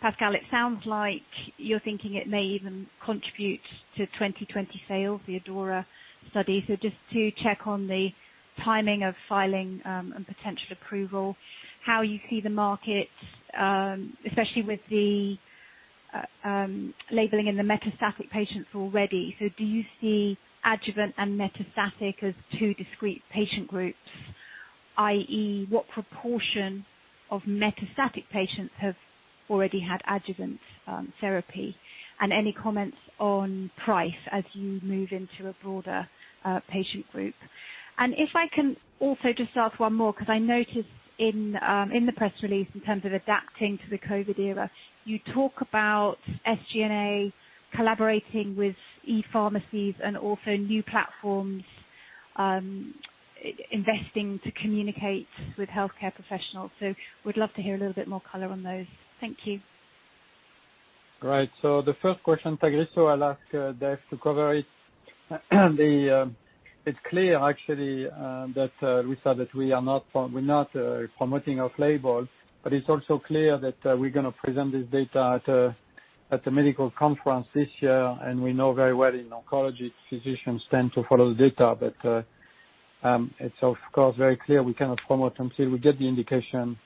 Pascal, it sounds like you're thinking it may even contribute to 2020 sales, the ADAURA study. Just to check on the timing of filing and potential approval, how you see the market, especially with the labeling in the metastatic patients already. Do you see adjuvant and metastatic as two discrete patient groups, i.e., what proportion of metastatic patients have already had adjuvant therapy? Any comments on price as you move into a broader patient group? If I can also just ask one more, because I noticed in the press release in terms of adapting to the COVID era, you talk about SG&A collaborating with e-pharmacies and also new platforms, investing to communicate with healthcare professionals. Would love to hear a little bit more color on those. Thank you. Great. The first question, Tagrisso, I'll ask Dave to cover it. It's clear actually, Luisa, that we are not promoting off label, but it's also clear that we're going to present this data at the medical conference this year. We know very well in oncology, physicians tend to follow the data. It's of course very clear we cannot promote until we get the indication.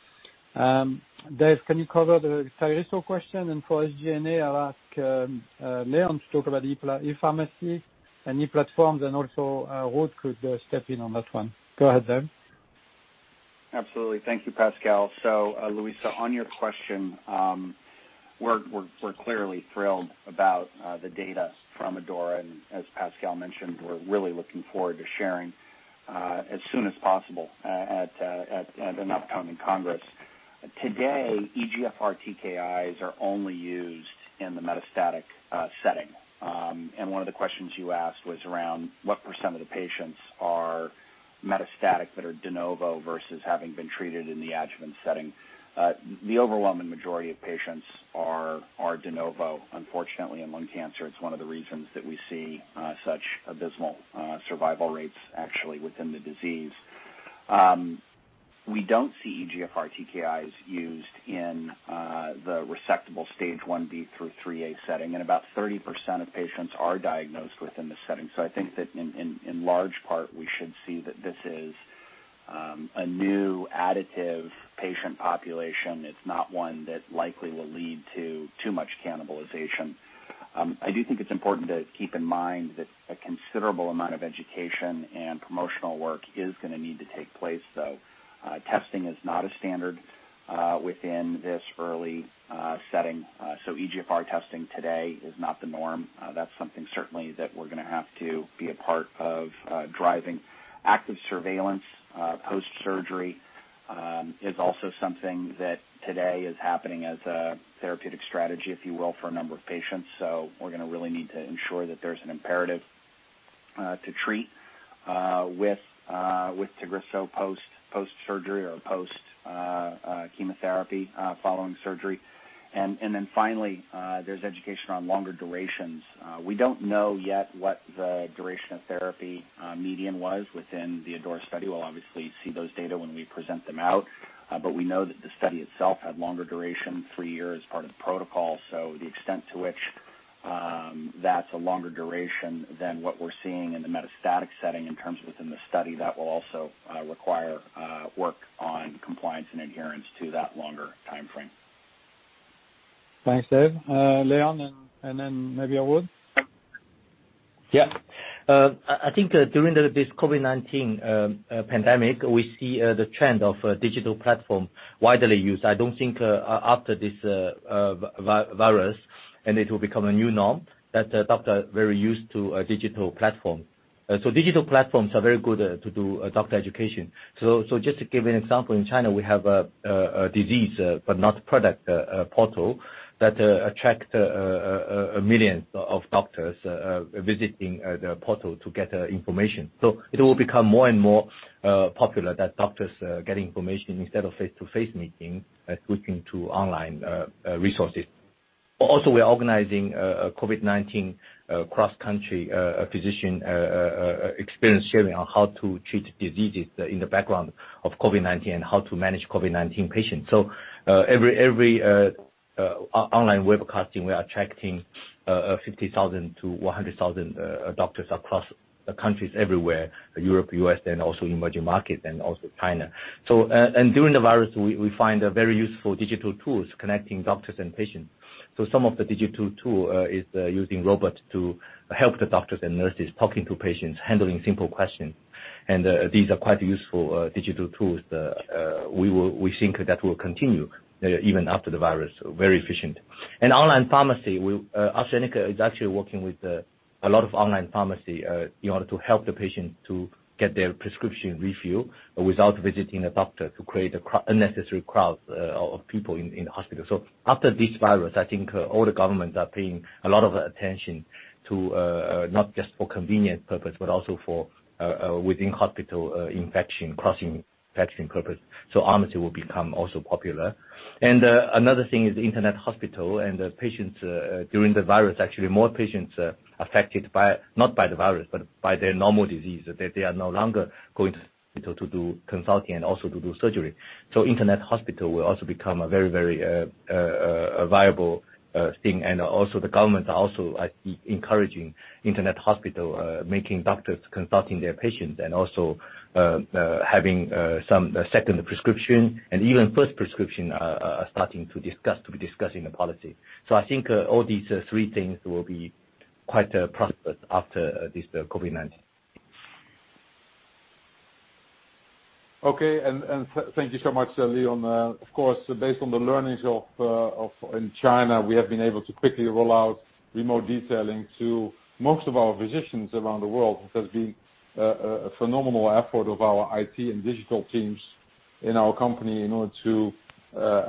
Dave, can you cover the Tagrisso question? For SG&A, I'll ask Leon to talk about e-pharmacy and e-platforms, and also Ruud could step in on that one. Go ahead, Dave. Absolutely. Thank you, Pascal. Luisa, on your question, we're clearly thrilled about the data from ADAURA. As Pascal mentioned, we're really looking forward to sharing as soon as possible at an upcoming congress. Today, EGFR TKIs are only used in the metastatic setting. One of the questions you asked was around what percent of the patients are metastatic that are de novo versus having been treated in the adjuvant setting. The overwhelming majority of patients are de novo. Unfortunately, in lung cancer, it's one of the reasons that we see such abysmal survival rates actually within the disease. We don't see EGFR TKIs used in the resectable Stage 1B through 3A setting, and about 30% of patients are diagnosed within the setting. I think that in large part, we should see that this is a new additive patient population, it's not one that likely will lead to too much cannibalization. I do think it's important to keep in mind that a considerable amount of education and promotional work is going to need to take place, though. Testing is not a standard within this early setting. EGFR testing today is not the norm. That's something certainly that we're going to have to be a part of driving. Active surveillance post-surgery is also something that today is happening as a therapeutic strategy, if you will, for a number of patients. We're going to really need to ensure that there's an imperative to treat with Tagrisso post-surgery or post-chemotherapy following surgery. Finally, there's education on longer durations. We don't know yet what the duration of therapy median was within the ADAURA study. We'll obviously see those data when we present them out. We know that the study itself had longer duration, three years, part of the protocol. The extent to which that's a longer duration than what we're seeing in the metastatic setting in terms within the study, that will also require work on compliance and adherence to that longer timeframe. Thanks, Dave. Leon, and then maybe Ruud? Yeah. I think during this COVID-19 pandemic, we see the trend of digital platform widely used. I don't think after this virus, it will become a new norm, that the doctor very used to a digital platform. Digital platforms are very good to do doctor education. Just to give you an example, in China, we have a disease but not product portal that attract millions of doctors visiting the portal to get information. It will become more and more popular that doctors get information instead of face-to-face meeting, switching to online resources. Also, we're organizing a COVID-19 cross-country physician experience sharing on how to treat diseases in the background of COVID-19 and how to manage COVID-19 patients. Every online webcasting, we are attracting 50,000 to 100,000 doctors across countries everywhere, Europe, U.S., and also emerging markets and also China. During the virus, we find very useful digital tools connecting doctors and patients. Some of the digital tool is using robot to help the doctors and nurses talking to patients, handling simple questions. These are quite useful digital tools. We think that will continue even after the virus. Very efficient. Online pharmacy, AstraZeneca is actually working with a lot of online pharmacy in order to help the patient to get their prescription refilled without visiting a doctor to create unnecessary crowds of people in the hospital. After this virus, I think all the governments are paying a lot of attention to not just for convenient purpose, but also for within hospital infection, cross-infection purpose. E-pharmacy will become also popular. Another thing is internet hospital and the patients during the virus, actually, more patients affected, not by the virus, but by their normal disease, that they are no longer going to do consulting and also to do surgery. Internet hospital will also become a very, very viable thing. Also the government are also encouraging internet hospital making doctors consulting their patients and also having some second prescription and even first prescription are starting to be discussing the policy. I think all these three things will be quite prosperous after this COVID-19. Okay. Thank you so much, Leon. Of course, based on the learnings in China, we have been able to quickly roll out remote detailing to most of our physicians around the world. It has been a phenomenal effort of our IT and digital teams in our company in order to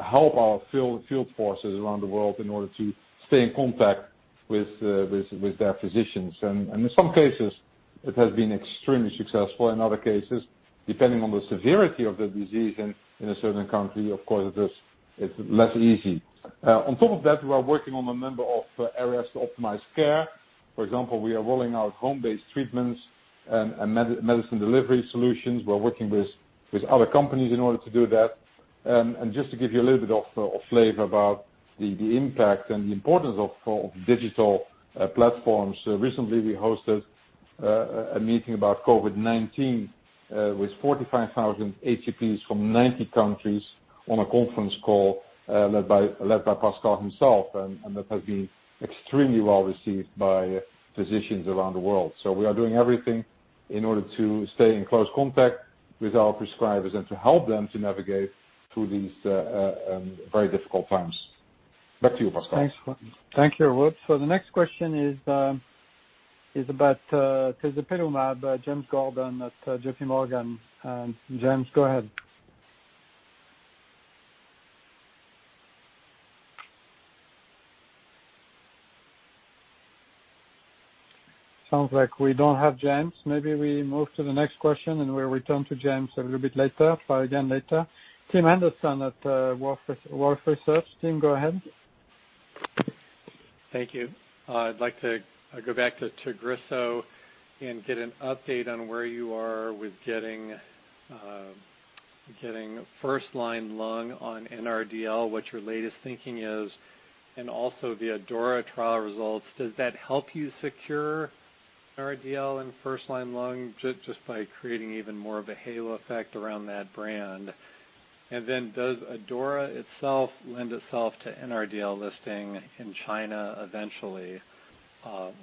help our field forces around the world in order to stay in contact with their physicians. In some cases, it has been extremely successful. In other cases, depending on the severity of the disease in a certain country, of course, it's less easy. On top of that, we are working on a number of areas to optimize care. For example, we are rolling out home-based treatments and medicine delivery solutions. We're working with other companies in order to do that. Just to give you a little bit of flavor about the impact and the importance of digital platforms, recently, we hosted a meeting about COVID-19 with 45,000 HCPs from 90 countries on a conference call led by Pascal himself. That has been extremely well-received by physicians around the world. We are doing everything in order to stay in close contact with our prescribers and to help them to navigate through these very difficult times. Back to you, Pascal. Thanks. Thank you, Ruud. The next question is about tezepelumab, James Gordon at JPMorgan. James, go ahead. Sounds like we don't have James. Maybe we move to the next question and we'll return to James a little bit later. Try again later. Tim Anderson at Wolfe Research. Tim, go ahead. Thank you. I'd like to go back to Tagrisso and get an update on where you are with getting first-line lung on NRDL, what your latest thinking is, and also the ADAURA trial results, does that help you secure NRDL in first-line lung just by creating even more of a halo effect around that brand? Does ADAURA itself lend itself to NRDL listing in China eventually,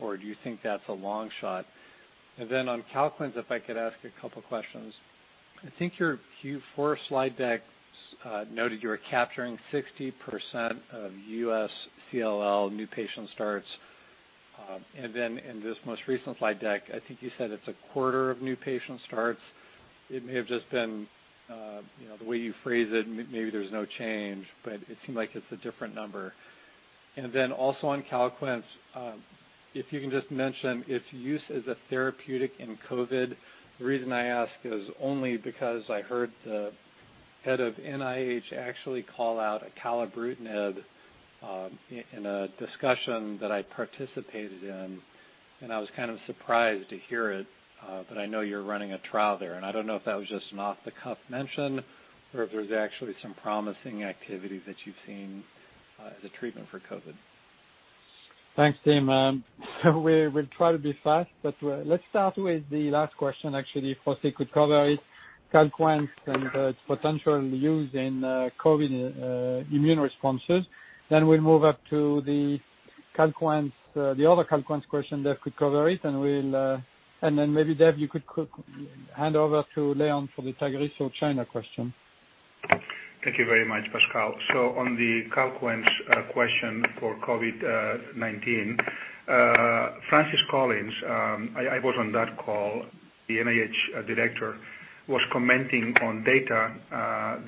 or do you think that's a long shot? On Calquence, if I could ask a couple questions. I think your Q4 slide decks noted you were capturing 60% of U.S. CLL new patient starts, and then in this most recent slide deck, I think you said it's a quarter of new patient starts. It may have just been the way you phrase it, maybe there's no change, but it seemed like it's a different number. Also on CALQUENCE, if you can just mention if use as a therapeutic in COVID. The reason I ask is only because I heard the Head of NIH actually call out acalabrutinib in a discussion that I participated in, and I was kind of surprised to hear it. I know you're running a trial there, and I don't know if that was just an off-the-cuff mention or if there's actually some promising activity that you've seen as a treatment for COVID. Thanks, Tim. We'll try to be fast, but let's start with the last question actually, José could cover it, CALQUENCE and its potential use in COVID-19 immune responses. We'll move up to the other CALQUENCE question that could cover it, and then maybe, Dave, you could hand over to Leon for the Tagrisso China question. Thank you very much, Pascal. On the CALQUENCE question for COVID-19, Francis Collins, I was on that call, the NIH Director, was commenting on data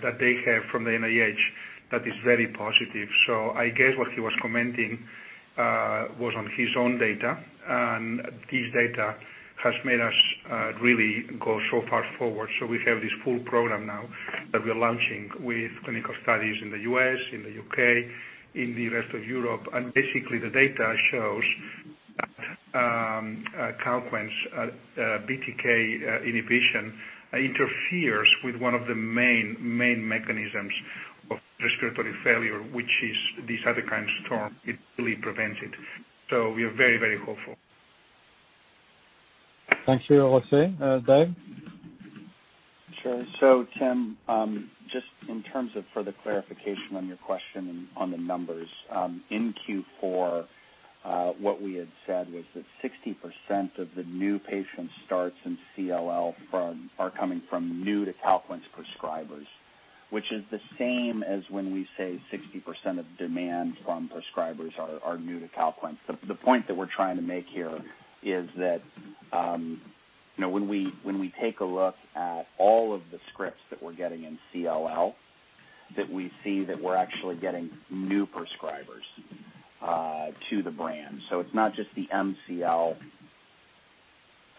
that they have from the NIH that is very positive. I guess what he was commenting was on his own data, and this data has made us really go so fast-forward. We have this full program now that we are launching with clinical studies in the U.S., in the U.K., in the rest of Europe. Basically, the data shows CALQUENCE BTK inhibition interferes with one of the main mechanisms of respiratory failure, which is the cytokine storm. It really prevents it. We are very hopeful. Thank you, José. Dave? Sure. Tim, just in terms of further clarification on your question on the numbers. In Q4, what we had said was that 60% of the new patient starts in CLL are coming from new-to-CALQUENCE prescribers, which is the same as when we say 60% of demand from prescribers are new to CALQUENCE. The point that we're trying to make here is that when we take a look at all of the scripts that we're getting in CLL, that we see that we're actually getting new prescribers to the brand. It's not just the MCL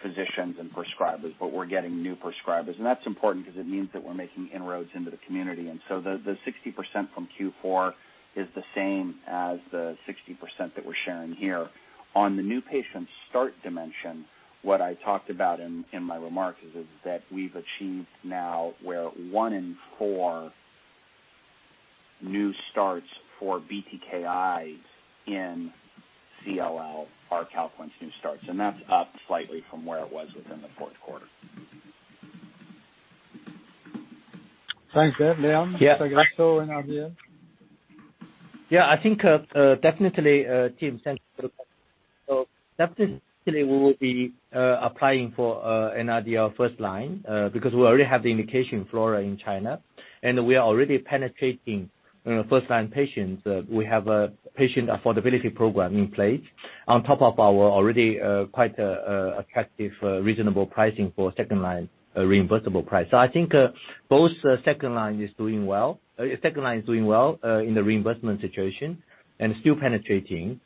physicians and prescribers, but we're getting new prescribers. That's important because it means that we're making inroads into the community. The 60% from Q4 is the same as the 60% that we're sharing here. On the new patient start dimension, what I talked about in my remarks is that we've achieved now where 1 in 4 new starts for BTKIs in CLL are CALQUENCE new starts, and that's up slightly from where it was within the fourth quarter. Thanks, Dave. Leon? Yeah. Tagrisso NRDL. Yeah, I think definitely, Tim, thanks. Definitely we will be applying for NRDL first-line, because we already have the indication FLAURA in China, and we are already penetrating first-line patients. We have a patient affordability program in place on top of our already quite attractive, reasonable pricing for second-line reimbursable price. I think both second-line is doing well in the reimbursement situation and still penetrating,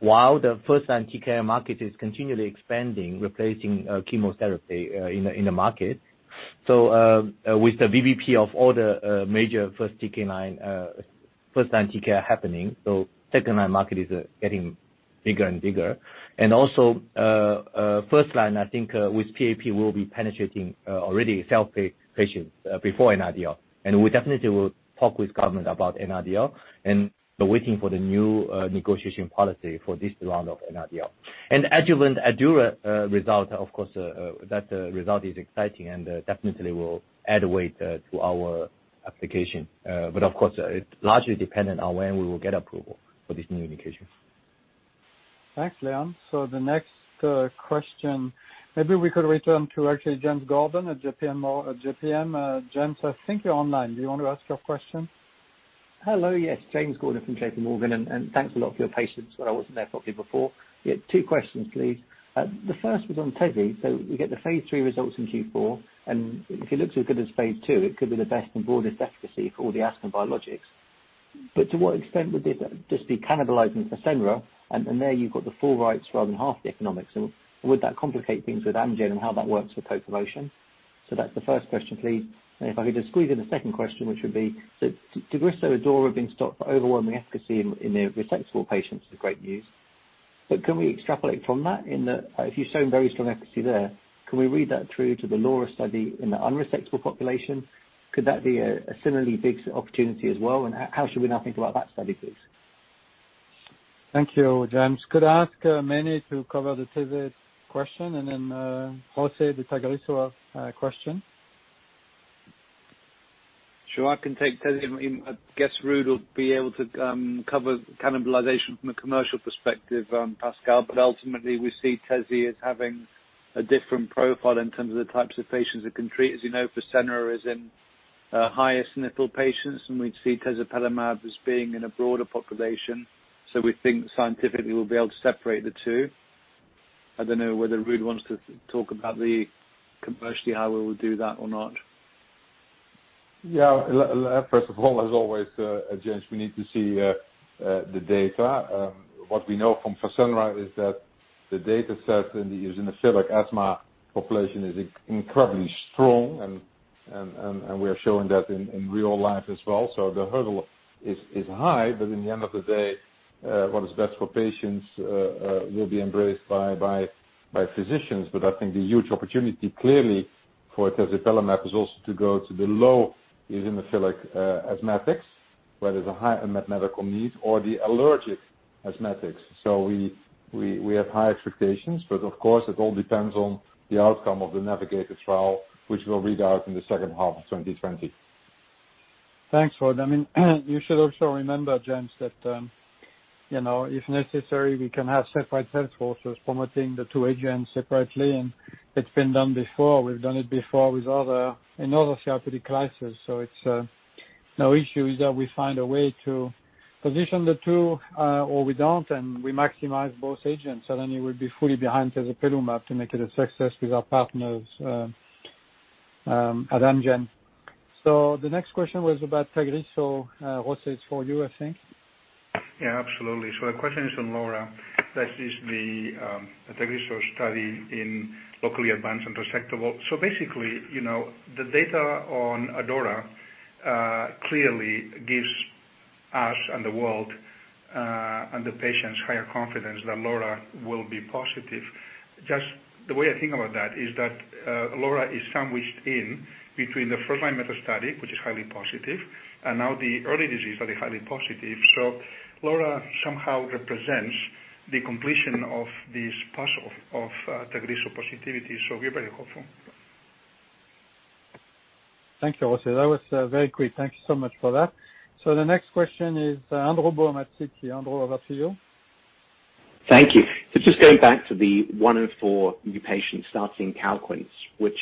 while the first-line TKI market is continually expanding, replacing chemotherapy in the market. With the VBP of all the major first-line TKI happening, second-line market is getting bigger and bigger. First-line, I think with PAP will be penetrating already self-pay patients before NRDL. We definitely will talk with government about NRDL and waiting for the new negotiation policy for this round of NRDL. Adjuvant ADAURA result, of course, that result is exciting and definitely will add weight to our application. Of course, it's largely dependent on when we will get approval for this new indication. Thanks, Leon. The next question, maybe we could return to actually James Gordon at JPM. James, I think you're online. Do you want to ask your question? Hello, yes. James Gordon from JPMorgan, thanks a lot for your patience when I wasn't there properly before. Two questions, please. The first was on TEZI. We get the phase III results in Q4, if it looks as good as phase II, it could be the best and broadest efficacy for all the asthma biologics. To what extent would this just be cannibalizing Fasenra? There you've got the full rights rather than half the economics, would that complicate things with Amgen and how that works for co-promotion? That's the first question, please. If I could just squeeze in a second question, which would be, so Tagrisso/ADAURA being stopped for overwhelming efficacy in the resectable patients is great news. Can we extrapolate from that If you're showing very strong efficacy there, can we read that through to the LAURA study in the unresectable population? Could that be a similarly big opportunity as well, and how should we now think about that study, please? Thank you, James. Could I ask Mene to cover the tezepelumab question and then, José, the Tagrisso question? Sure. I can take tezepelumab. I guess Ruud will be able to cover cannibalization from a commercial perspective, Pascal. Ultimately, we see tezepelumab as having a different profile in terms of the types of patients it can treat. As you know, Fasenra is in highest nickel patients, and we'd see tezepelumab as being in a broader population. We think scientifically we'll be able to separate the two. I don't know whether Ruud wants to talk about the commercially how we will do that or not. Yeah. First of all, as always, James, we need to see the data. What we know from Fasenra is that the data set in the eosinophilic asthma population is incredibly strong, and we are showing that in real life as well. The hurdle is high, but in the end of the day, what is best for patients will be embraced by physicians. I think the huge opportunity clearly for tezepelumab is also to go to the low eosinophilic asthmatics, where there's a high unmet medical need or the allergic asthmatics. We have high expectations, but of course, it all depends on the outcome of the NAVIGATOR trial, which we'll read out in the second half of 2020. Thanks, Ruud. You should also remember, James, that if necessary, we can have separate sales forces promoting the two agents separately. It's been done before. We've done it before in other COPD classes. It's no issue. Either we find a way to position the two, or we don't, and we maximize both agents, and then we will be fully behind tezepelumab to make it a success with our partners at Amgen. The next question was about Tagrisso. José, it's for you, I think. Absolutely. The question is from LAURA. That is the Tagrisso study in locally advanced and resectable. Basically, the data on ADAURA clearly gives us and the world, and the patients higher confidence that LAURA will be positive. Just the way I think about that is that LAURA is sandwiched in between the first-line metastatic, which is highly positive, and now the early disease, highly positive. LAURA somehow represents the completion of this puzzle of Tagrisso positivity. We're very hopeful. Thank you, José. That was very quick. Thank you so much for that. The next question is Andrew Baum at Citi. Andrew, over to you. Thank you. Just going back to the one in four new patients starting CALQUENCE, which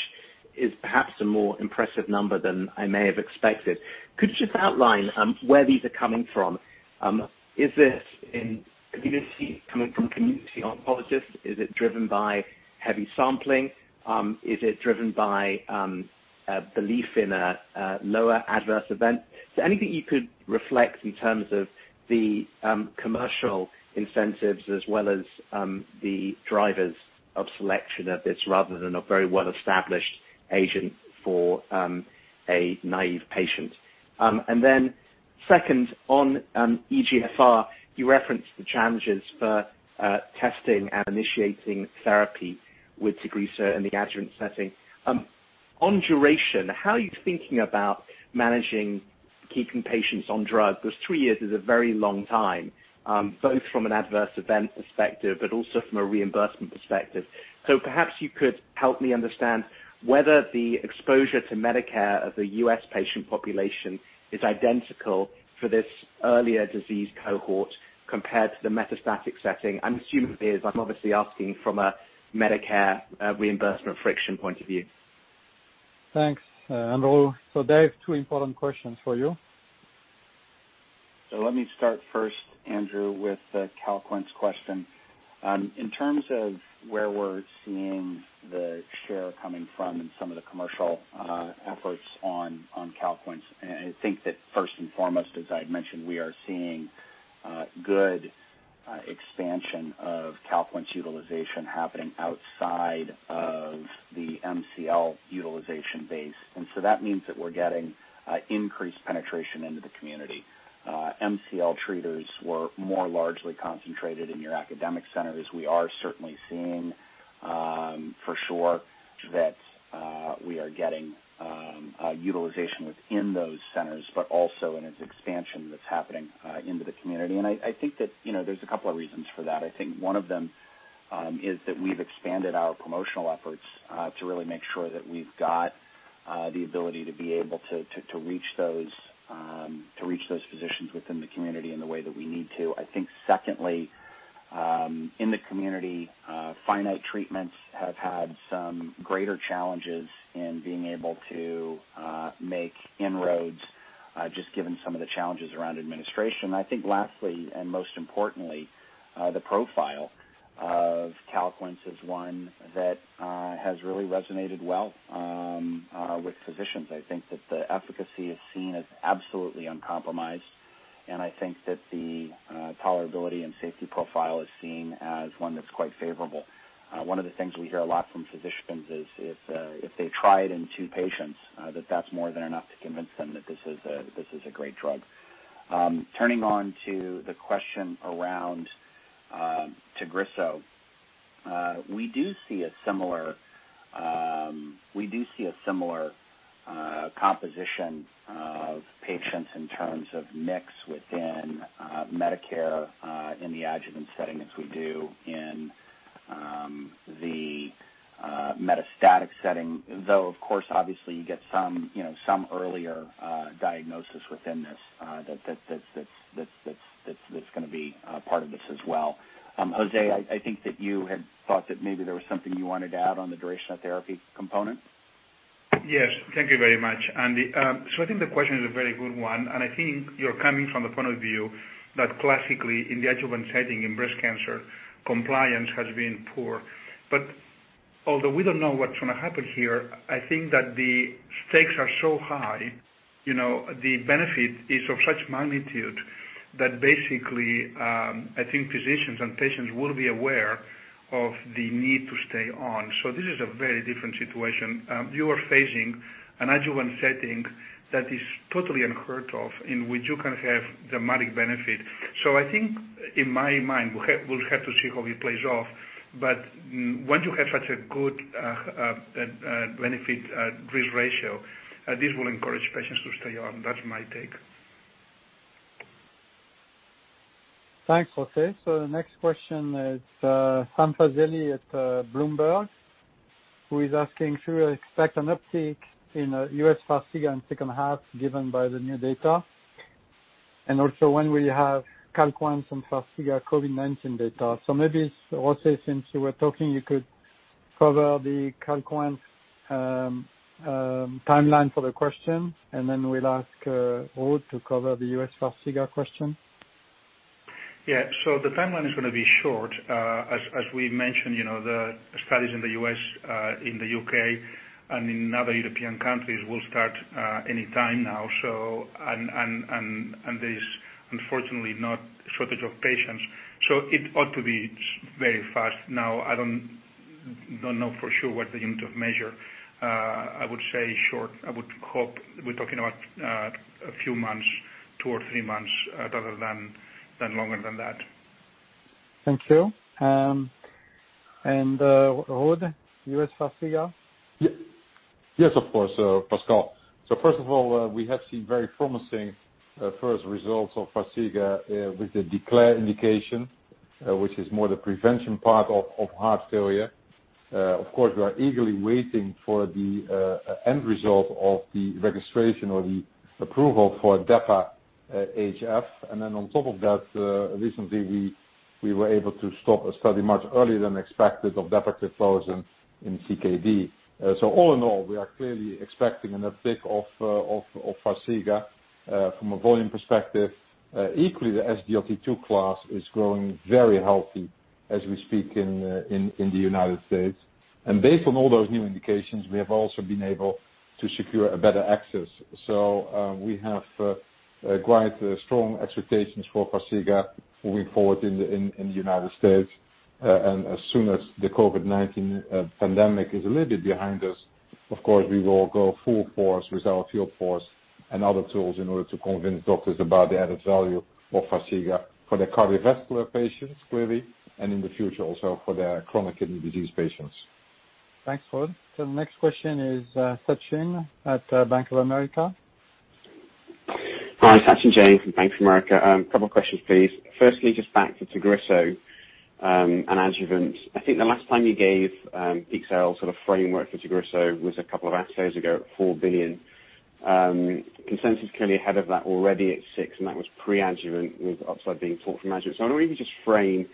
is perhaps a more impressive number than I may have expected. Could you just outline where these are coming from? Is this coming from community oncologists? Is it driven by heavy sampling? Is it driven by belief in a lower adverse event? Is there anything you could reflect in terms of the commercial incentives as well as the drivers of selection of this rather than a very well-established agent for a naive patient? Second, on EGFR, you referenced the challenges for testing and initiating therapy with Tagrisso in the adjuvant setting. On duration, how are you thinking about managing keeping patients on drug? Three years is a very long time, both from an adverse event perspective, but also from a reimbursement perspective. Perhaps you could help me understand whether the exposure to Medicare of the U.S. patient population is identical for this earlier disease cohort compared to the metastatic setting. I'm assuming it is. I'm obviously asking from a Medicare reimbursement friction point of view. Thanks, Andrew. Dave, two important questions for you. Let me start first, Andrew, with the CALQUENCE question. In terms of where we're seeing the share coming from in some of the commercial efforts on CALQUENCE, I think that first and foremost, as I had mentioned, we are seeing good expansion of CALQUENCE utilization happening outside of the MCL utilization base. That means that we're getting increased penetration into the community. MCL treaters were more largely concentrated in your academic centers. We are certainly seeing for sure that we are getting utilization within those centers, but also in its expansion that's happening into the community. I think that there's a couple of reasons for that. I think one of them is that we've expanded our promotional efforts to really make sure that we've got the ability to be able to reach those physicians within the community in the way that we need to. I think secondly, in the community, finite treatments have had some greater challenges in being able to make inroads, just given some of the challenges around administration. I think lastly, and most importantly, the profile of CALQUENCE is one that has really resonated well with physicians. I think that the efficacy is seen as absolutely uncompromised, and I think that the tolerability and safety profile is seen as one that's quite favorable. One of the things we hear a lot from physicians is if they try it in two patients, that's more than enough to convince them that this is a great drug. Turning on to the question around Tagrisso. We do see a similar composition of patients in terms of mix within Medicare in the adjuvant setting as we do in the metastatic setting. Of course, obviously you get some earlier diagnosis within this that's going to be part of this as well. José, I think that you had thought that maybe there was something you wanted to add on the duration of therapy component. Yes. Thank you very much, Andy. I think the question is a very good one, and I think you're coming from the point of view that classically in the adjuvant setting in breast cancer, compliance has been poor. Although we don't know what's going to happen here, I think that the stakes are so high, the benefit is of such magnitude that basically, I think physicians and patients will be aware of the need to stay on. This is a very different situation. You are facing an adjuvant setting that is totally unheard of, in which you can have dramatic benefit. I think in my mind, we'll have to see how it plays off, but once you have such a good benefit-risk ratio, this will encourage patients to stay on. That's my take. Thanks, José. The next question is Sam Fazeli at Bloomberg, who is asking should we expect an uptick in U.S. Farxiga in second half given by the new data? Also when we have CALQUENCE and Farxiga COVID-19 data? Maybe, José, since you were talking, you could cover the CALQUENCE timeline for the question, and then we'll ask Ruud to cover the U.S. Farxiga question. Yeah. The timeline is going to be short. As we mentioned, the studies in the U.S., in the U.K., and in other European countries will start anytime now. There's unfortunately not shortage of patients, so it ought to be very fast. I don't know for sure what the unit of measure. I would say short. I would hope we're talking about a few months, two or three months, rather than longer than that. Thank you. Ruud, U.S. Farxiga? Yes, of course, Pascal. First of all, we have seen very promising first results of Farxiga with the DECLARE indication, which is more the prevention part of heart failure. Of course, we are eagerly waiting for the end result of the registration or the approval for DAPA-HF. Then on top of that, recently we were able to stop a study much earlier than expected of dapagliflozin in CKD. All in all, we are clearly expecting an uptick of Farxiga from a volume perspective. Equally, the SGLT2 class is growing very healthy as we speak in the U.S. Based on all those new indications, we have also been able to secure a better access. We have quite strong expectations for Farxiga moving forward in the U.S. As soon as the COVID-19 pandemic is a little bit behind us, of course, we will go full force with our field force and other tools in order to convince doctors about the added value of Farxiga for their cardiovascular patients, clearly, and in the future also for their chronic kidney disease patients. Thanks, Ruud. The next question is Sachin at Bank of America. Hi. Sachin Jain from Bank of America. A couple questions, please. Firstly, just back to Tagrisso and adjuvant. I think the last time you gave peak sales sort of framework for Tagrisso was a couple of episodes ago at $4 billion. Consensus currently ahead of that already at $6, that was pre-adjuvant with upside being fought from adjuvant. I wonder if you could just frame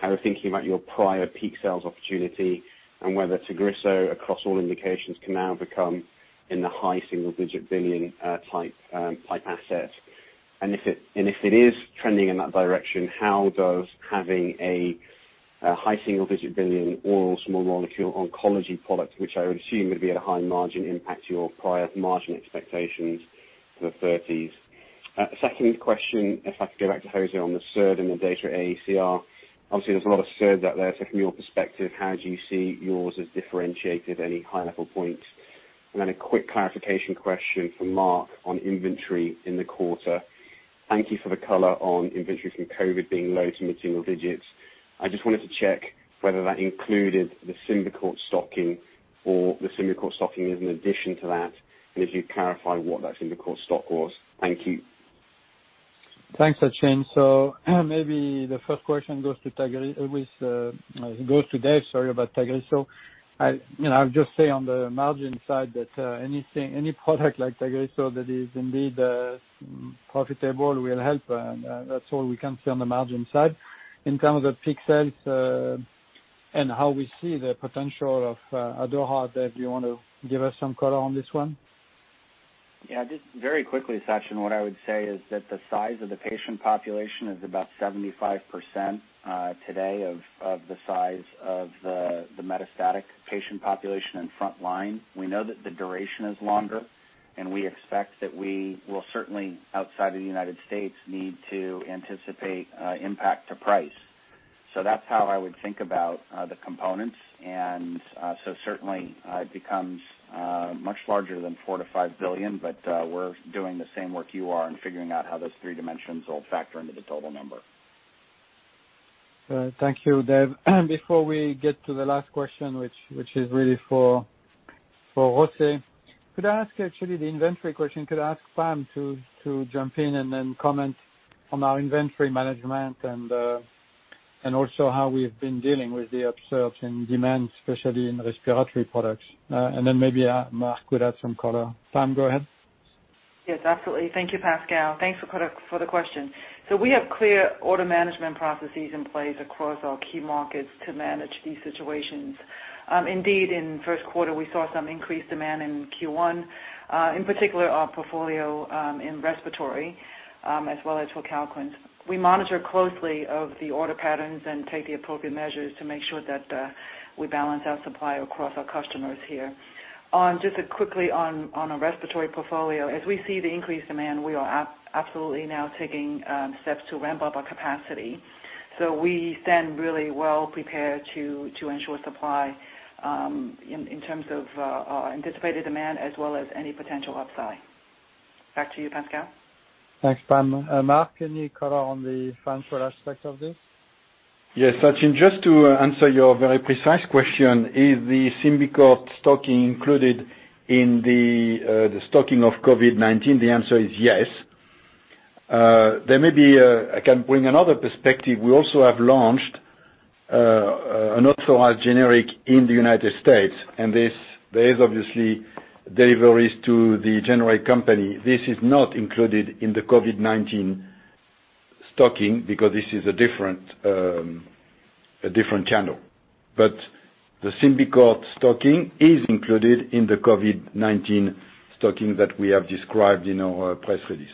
how we're thinking about your prior peak sales opportunity and whether Tagrisso across all indications can now become in the high single-digit billion type asset. If it is trending in that direction, how does having a high single-digit billion oral small molecule oncology product, which I would assume would be at a high margin, impact your prior margin expectations for the 30s? Second question, if I could go back to José on the SERD and the data at AACR. There's a lot of SERD out there. From your perspective, how do you see yours as differentiated? Any high-level points? A quick clarification question for Mark on inventory in the quarter. Thank you for the color on inventory from COVID being low to mid-single digits. I just wanted to check whether that included the Symbicort stocking or the Symbicort stocking is in addition to that, and if you'd clarify what that Symbicort stock was. Thank you. Thanks, Sachin. Maybe the first question goes to Dave, sorry, about Tagrisso. I'll just say on the margin side that any product like Tagrisso that is indeed profitable will help, and that's all we can say on the margin side. In terms of peak sales and how we see the potential of ADAURA, Dave, do you want to give us some color on this one? Just very quickly, Sachin, what I would say is that the size of the patient population is about 75% today of the size of the metastatic patient population in front-line. We know that the duration is longer. We expect that we will certainly, outside of the U.S., need to anticipate impact to price. That's how I would think about the components. Certainly, it becomes much larger than $4 billion-$5 billion, but we're doing the same work you are in figuring out how those three dimensions will factor into the total number. Thank you, Dave. Before we get to the last question, which is really for José. Could I ask actually the inventory question, could I ask Pam to jump in and then comment on our inventory management and also how we've been dealing with the observed and demand, especially in respiratory products? Maybe, Marc could add some color. Pam, go ahead. Yes, absolutely. Thank you, Pascal. Thanks for the question. We have clear order management processes in place across our key markets to manage these situations. Indeed, in first quarter, we saw some increased demand in Q1, in particular our portfolio, in respiratory, as well as for CALQUENCE. We monitor closely of the order patterns and take the appropriate measures to make sure that we balance our supply across our customers here. Just quickly on our respiratory portfolio, as we see the increased demand, we are absolutely now taking steps to ramp up our capacity. We stand really well prepared to ensure supply, in terms of anticipated demand as well as any potential upside. Back to you, Pascal. Thanks, Pam. Marc, any color on the financial aspect of this? Yes. Sachin, just to answer your very precise question, is the Symbicort stocking included in the stocking of COVID-19? The answer is yes. I can bring another perspective. We also have launched an authorized generic in the U.S., and there is obviously deliveries to the generic company. This is not included in the COVID-19 stocking because this is a different channel. The Symbicort stocking is included in the COVID-19 stocking that we have described in our press release.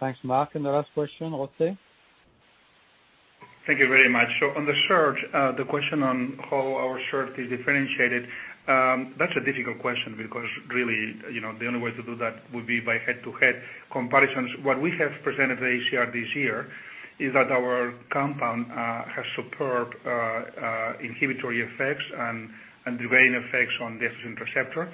Thanks, Marc. The last question, José. Thank you very much. On the SERD, the question on how our SERD is differentiated, that's a difficult question because really, the only way to do that would be by head-to-head comparisons. What we have presented at AACR this year is that our compound has superb inhibitory effects and delaying effects on the receptor.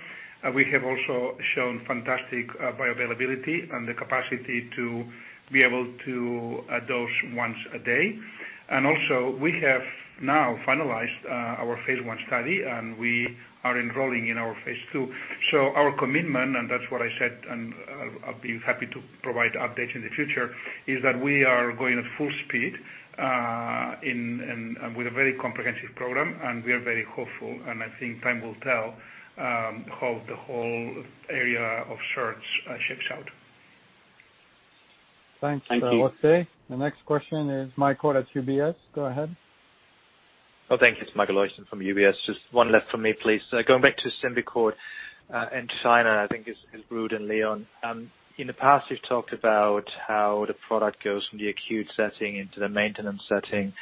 We have also shown fantastic bioavailability and the capacity to be able to dose once a day. Also we have now finalized our phase I study, and we are enrolling in our phase II. Our commitment, and that's what I said, and I'll be happy to provide updates in the future, is that we are going at full speed with a very comprehensive program, and we are very hopeful, and I think time will tell how the whole area of SERD shapes out. Thanks, José. Thank you. The next question is Michael at UBS. Go ahead. Thank you. It's Michael Leuchten from UBS. Just one left for me, please. Going back to Symbicort, and China, I think is Ruud and Leon. In the past, you've talked about how the product goes from the acute setting into the maintenance setting.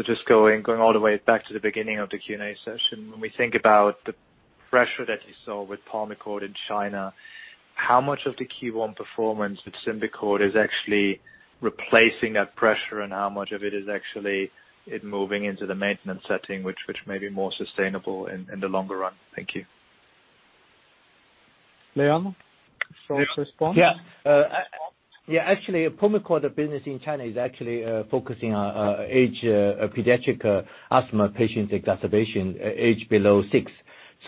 Just going all the way back to the beginning of the Q&A session, when we think about the pressure that you saw with Pulmicort in China, how much of the Q1 performance with Symbicort is actually replacing that pressure and how much of it is actually moving into the maintenance setting, which may be more sustainable in the longer run? Thank you. Leon, short response. Actually, Pulmicort business in China is actually focusing on age, pediatric asthma patients exacerbation, age below six.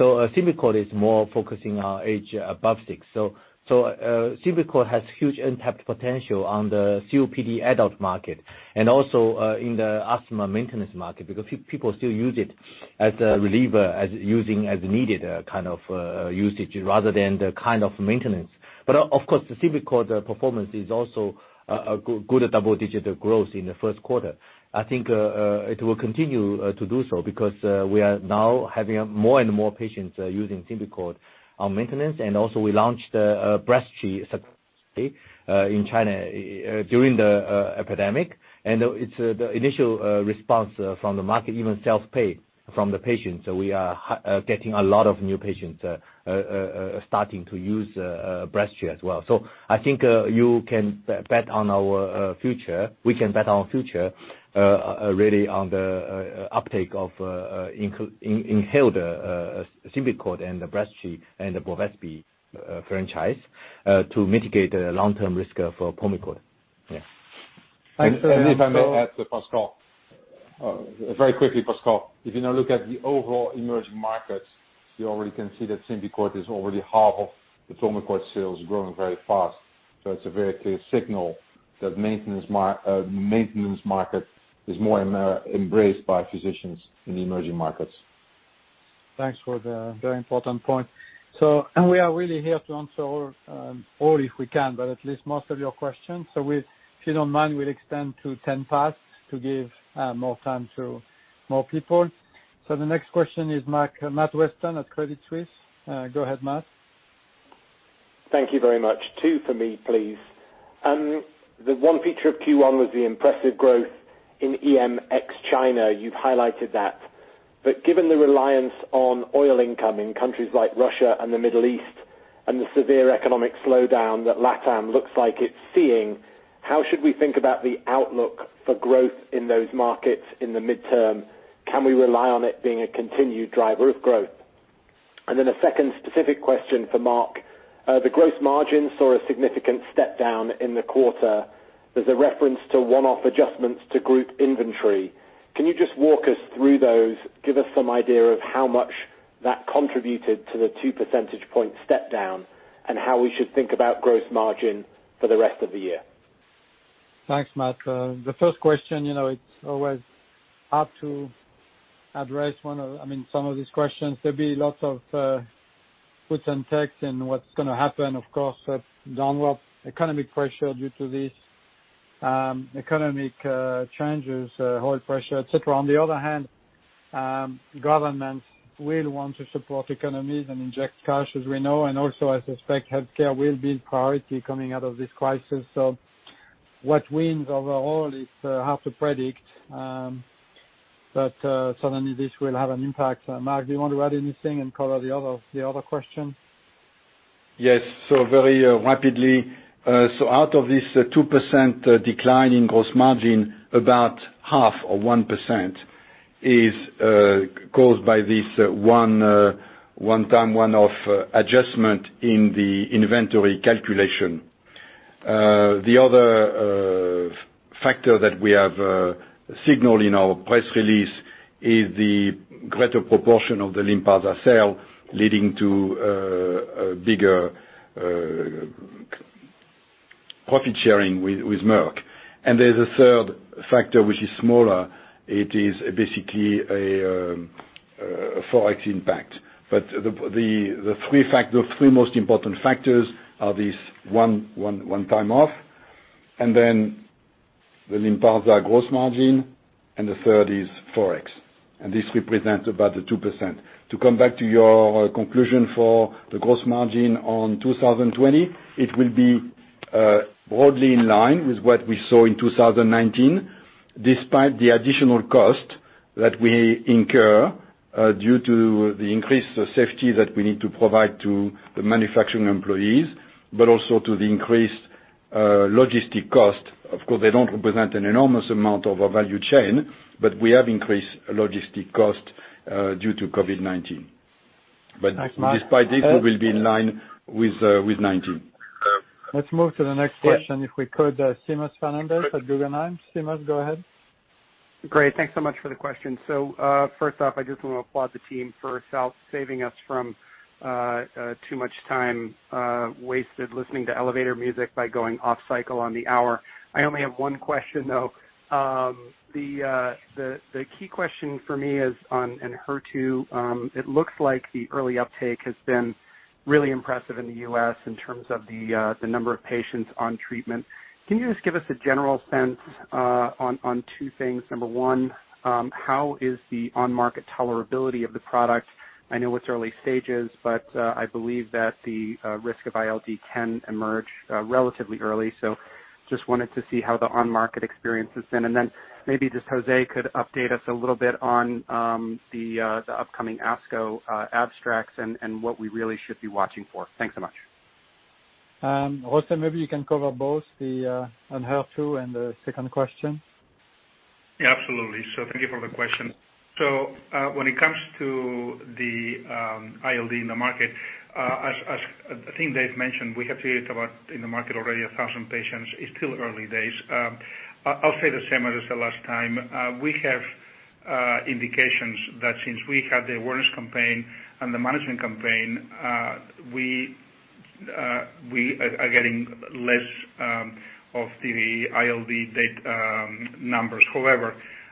Symbicort is more focusing on age above six. Symbicort has huge untapped potential on the COPD adult market and also in the asthma maintenance market because people still use it as a reliever, as using as needed kind of usage rather than the kind of maintenance. Of course, the Symbicort performance is also a good double-digit growth in the first quarter. I think it will continue to do so because we are now having more and more patients using Symbicort on maintenance, and also we launched the Breztri in China during the epidemic. The initial response from the market, even self-pay from the patients. We are getting a lot of new patients starting to use Breztri as well. I think we can bet on our future really on the uptake of inhaled Symbicort and the Breztri and the Bevespi franchise to mitigate the long-term risk for Pulmicort. Yeah. Thanks. If I may add, Pascal. Very quickly, Pascal. If you now look at the overall emerging markets, you already can see that Symbicort is already half of the Pulmicort sales growing very fast. It's a very clear signal that maintenance market is more embraced by physicians in emerging markets. Thanks for the very important point. We are really here to answer all, if we can, but at least most of your questions. If you don't mind, we'll extend to 10 past to give more time to more people. The next question is Matthew Weston at Credit Suisse. Go ahead, Matt. Thank you very much. Two for me, please. The one feature of Q1 was the impressive growth in EMX China, you've highlighted that. Given the reliance on oil income in countries like Russia and the Middle East and the severe economic slowdown that Latam looks like it's seeing, how should we think about the outlook for growth in those markets in the midterm? Can we rely on it being a continued driver of growth? A second specific question for Marc. The gross margin saw a significant step down in the quarter. There's a reference to one-off adjustments to group inventory. Can you just walk us through those, give us some idea of how much that contributed to the two percentage point step down, and how we should think about gross margin for the rest of the year? Thanks, Matt. The first question, it is always hard to address some of these questions. There will be lots of puts and takes in what is going to happen, of course, downwards economic pressure due to these economic changes, oil pressure, et cetera. On the other hand, governments will want to support economies and inject cash, as we know, and also I suspect healthcare will be priority coming out of this crisis. What wins overall is hard to predict. Certainly, this will have an impact. Marc, do you want to add anything and cover the other question? Yes. Very rapidly. Out of this 2% decline in gross margin, about half or 1% is caused by this one-time one-off adjustment in the inventory calculation. The other factor that we have signaled in our press release is the greater proportion of the LYNPARZA sale, leading to a bigger profit-sharing with Merck. There's a third factor, which is smaller. It is basically a Forex impact. The three most important factors are these one time off, and then the LYNPARZA gross margin, and the third is Forex. This represents about the 2%. To come back to your conclusion for the gross margin on 2020, it will be broadly in line with what we saw in 2019, despite the additional cost that we incur due to the increased safety that we need to provide to the manufacturing employees, but also to the increased logistic cost. Of course, they don't represent an enormous amount of our value chain, but we have increased logistics cost due to COVID-19. Thanks, Marc. Despite this, we will be in line with 2019. Let's move to the next question, if we could. Seamus Fernandez at Guggenheim. Seamus, go ahead. Great. Thanks so much for the question. First off, I just want to applaud the team for saving us from too much time wasted listening to elevator music by going off cycle on the hour. I only have one question, though. The key question for me is on ENHERTU. It looks like the early uptake has been really impressive in the U.S. in terms of the number of patients on treatment. Can you just give us a general sense on two things? Number one, how is the on-market tolerability of the product? I know it's early stages, but I believe that the risk of ILD can emerge relatively early. Just wanted to see how the on-market experience has been. Maybe just José could update us a little bit on the upcoming ASCO abstracts and what we really should be watching for. Thanks so much. José, maybe you can cover both, the ENHERTU and the second question. Absolutely. Thank you for the question. When it comes to the ILD in the market, as I think Dave mentioned, we have treated about, in the market already, 1,000 patients. It's still early days. I'll say the same as the last time. We have indications that since we had the awareness campaign and the management campaign, we are getting less of the ILD numbers.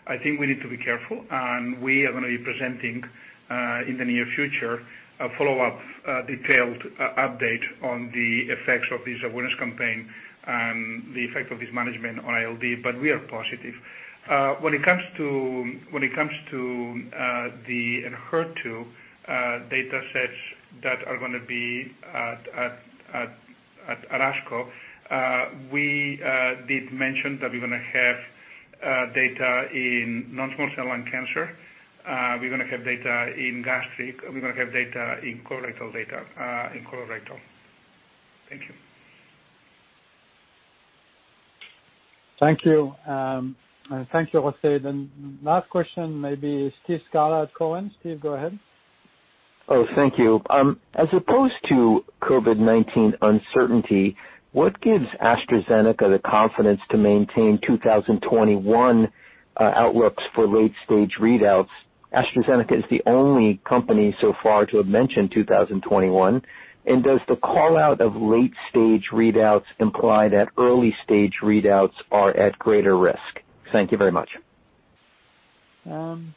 I think we need to be careful, and we are going to be presenting, in the near future, a follow-up detailed update on the effects of this awareness campaign and the effect of this management on ILD. We are positive. When it comes to the ENHERTU datasets that are going to be at ASCO, we did mention that we're going to have data in non-small cell lung cancer. We're going to have data in gastric, we're going to have data in colorectal. Thank you. Thank you. Thank you, José. Last question maybe Steve Scala at Cowen. Steve, go ahead. Oh, thank you. As opposed to COVID-19 uncertainty, what gives AstraZeneca the confidence to maintain 2021 outlooks for late-stage readouts? AstraZeneca is the only company so far to have mentioned 2021. Does the call-out of late-stage readouts imply that early-stage readouts are at greater risk? Thank you very much. Who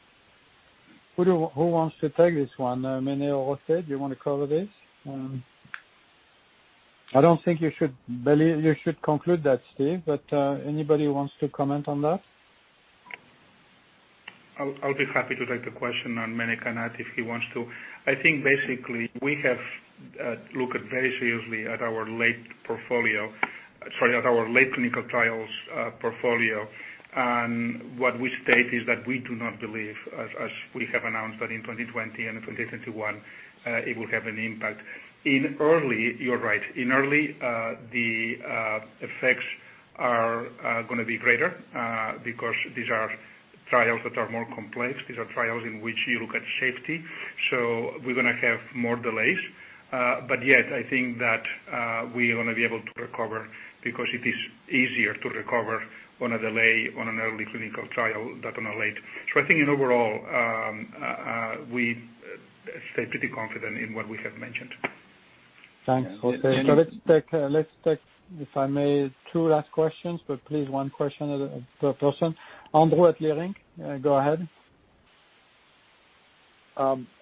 wants to take this one? Mene or José, do you want to cover this? I don't think you should conclude that, Steve, but anybody wants to comment on that? I'll be happy to take the question, and Mene can add if he wants to. I think basically, we have looked very seriously at our late clinical trials portfolio. What we state is that we do not believe, as we have announced, that in 2020 and 2021, it will have an impact. You're right. In early, the effects are going to be greater because these are trials that are more complex. These are trials in which you look at safety. We're going to have more delays. I think that we are going to be able to recover because it is easier to recover on a delay on an early clinical trial than on a late. I think in overall, we stay pretty confident in what we have mentioned. Thanks, José. Let's take, if I may, two last questions, but please one question per person. Andrew at Leerink Partners, go ahead.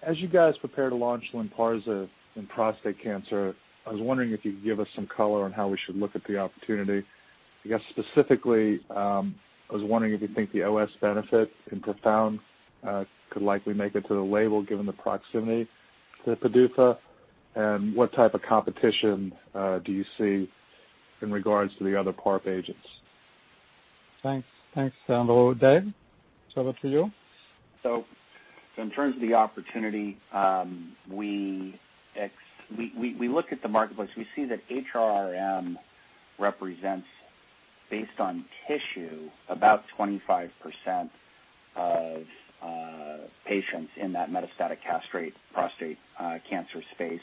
As you guys prepare to launch LYNPARZA in prostate cancer, I was wondering if you could give us some color on how we should look at the opportunity. I guess specifically, I was wondering if you think the OS benefit in PROfound could likely make it to the label given the proximity to PDUFA, and what type of competition do you see in regards to the other PARP agents? Thanks, Andrew. Dave, it's over to you. In terms of the opportunity, we look at the marketplace, we see that HRRm represents, based on tissue, about 25% of patients in that metastatic castrate prostate cancer space.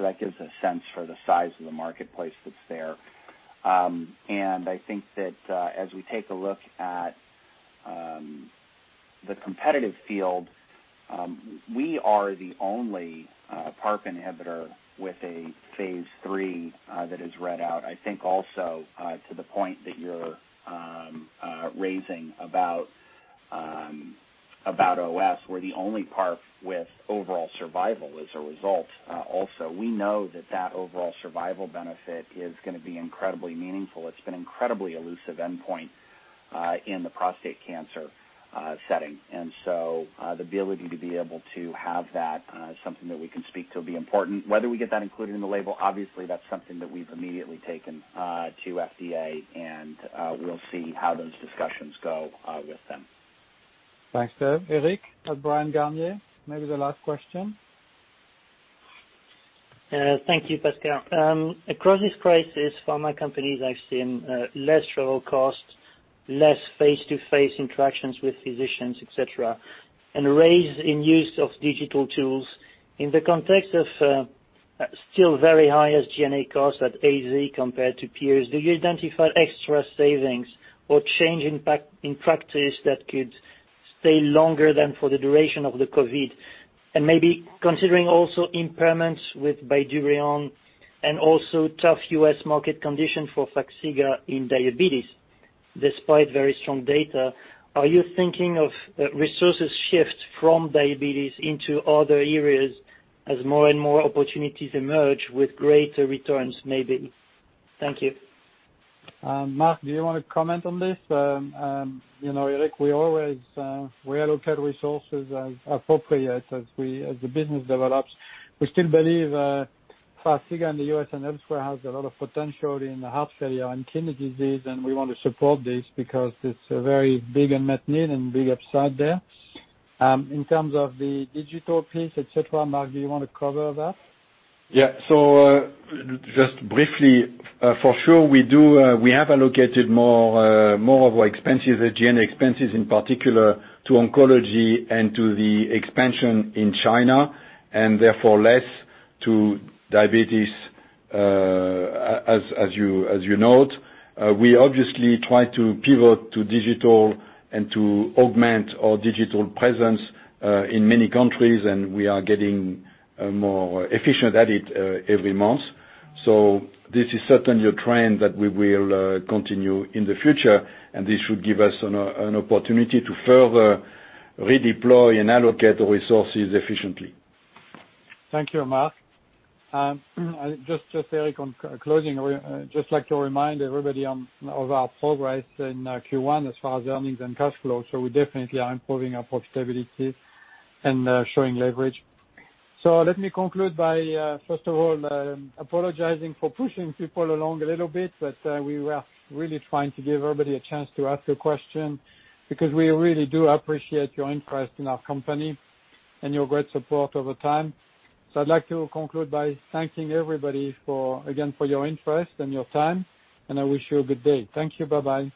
That gives a sense for the size of the marketplace that's there. I think that as we take a look at the competitive field, we are the only PARP inhibitor with a phase III that is read out. I think also to the point that you're raising about OS, we're the only PARP with overall survival as a result. We know that that overall survival benefit is going to be incredibly meaningful. It's been incredibly elusive endpoint in the prostate cancer setting. The ability to be able to have that, something that we can speak to, will be important. Whether we get that included in the label, obviously that's something that we've immediately taken to FDA, and we'll see how those discussions go with them. Thanks, Dave. Eric at Bryan, Garnier, maybe the last question. Thank you, Pascal. Across this crisis, pharma companies have seen less travel costs, less face-to-face interactions with physicians, et cetera, and a raise in use of digital tools. In the context of still very high SG&A costs at AZ compared to peers, do you identify extra savings or change in practice that could stay longer than for the duration of the COVID? Maybe considering also impairments with Bydureon and also tough U.S. market condition for Farxiga in diabetes, despite very strong data, are you thinking of resources shift from diabetes into other areas as more and more opportunities emerge with greater returns, maybe? Thank you. Marc, do you want to comment on this? Eric, we always reallocate resources as appropriate as the business develops. We still believe Farxiga in the U.S. and elsewhere has a lot of potential in heart failure and kidney disease, and we want to support this because it's a very big unmet need and big upside there. In terms of the digital piece, et cetera, Marc, do you want to cover that? Just briefly, for sure, we have allocated more of our expenses, SG&A expenses in particular, to oncology and to the expansion in China, and therefore less to diabetes, as you note. We obviously try to pivot to digital and to augment our digital presence, in many countries, and we are getting more efficient at it every month. This is certainly a trend that we will continue in the future, and this should give us an opportunity to further redeploy and allocate the resources efficiently. Thank you, Marc. Just, Eric, on closing, I would just like to remind everybody of our progress in Q1 as far as earnings and cash flow. We definitely are improving our profitability and showing leverage. Let me conclude by, first of all, apologizing for pushing people along a little bit, but we were really trying to give everybody a chance to ask a question because we really do appreciate your interest in our company and your great support over time. I'd like to conclude by thanking everybody, again, for your interest and your time, and I wish you a good day. Thank you. Bye-bye.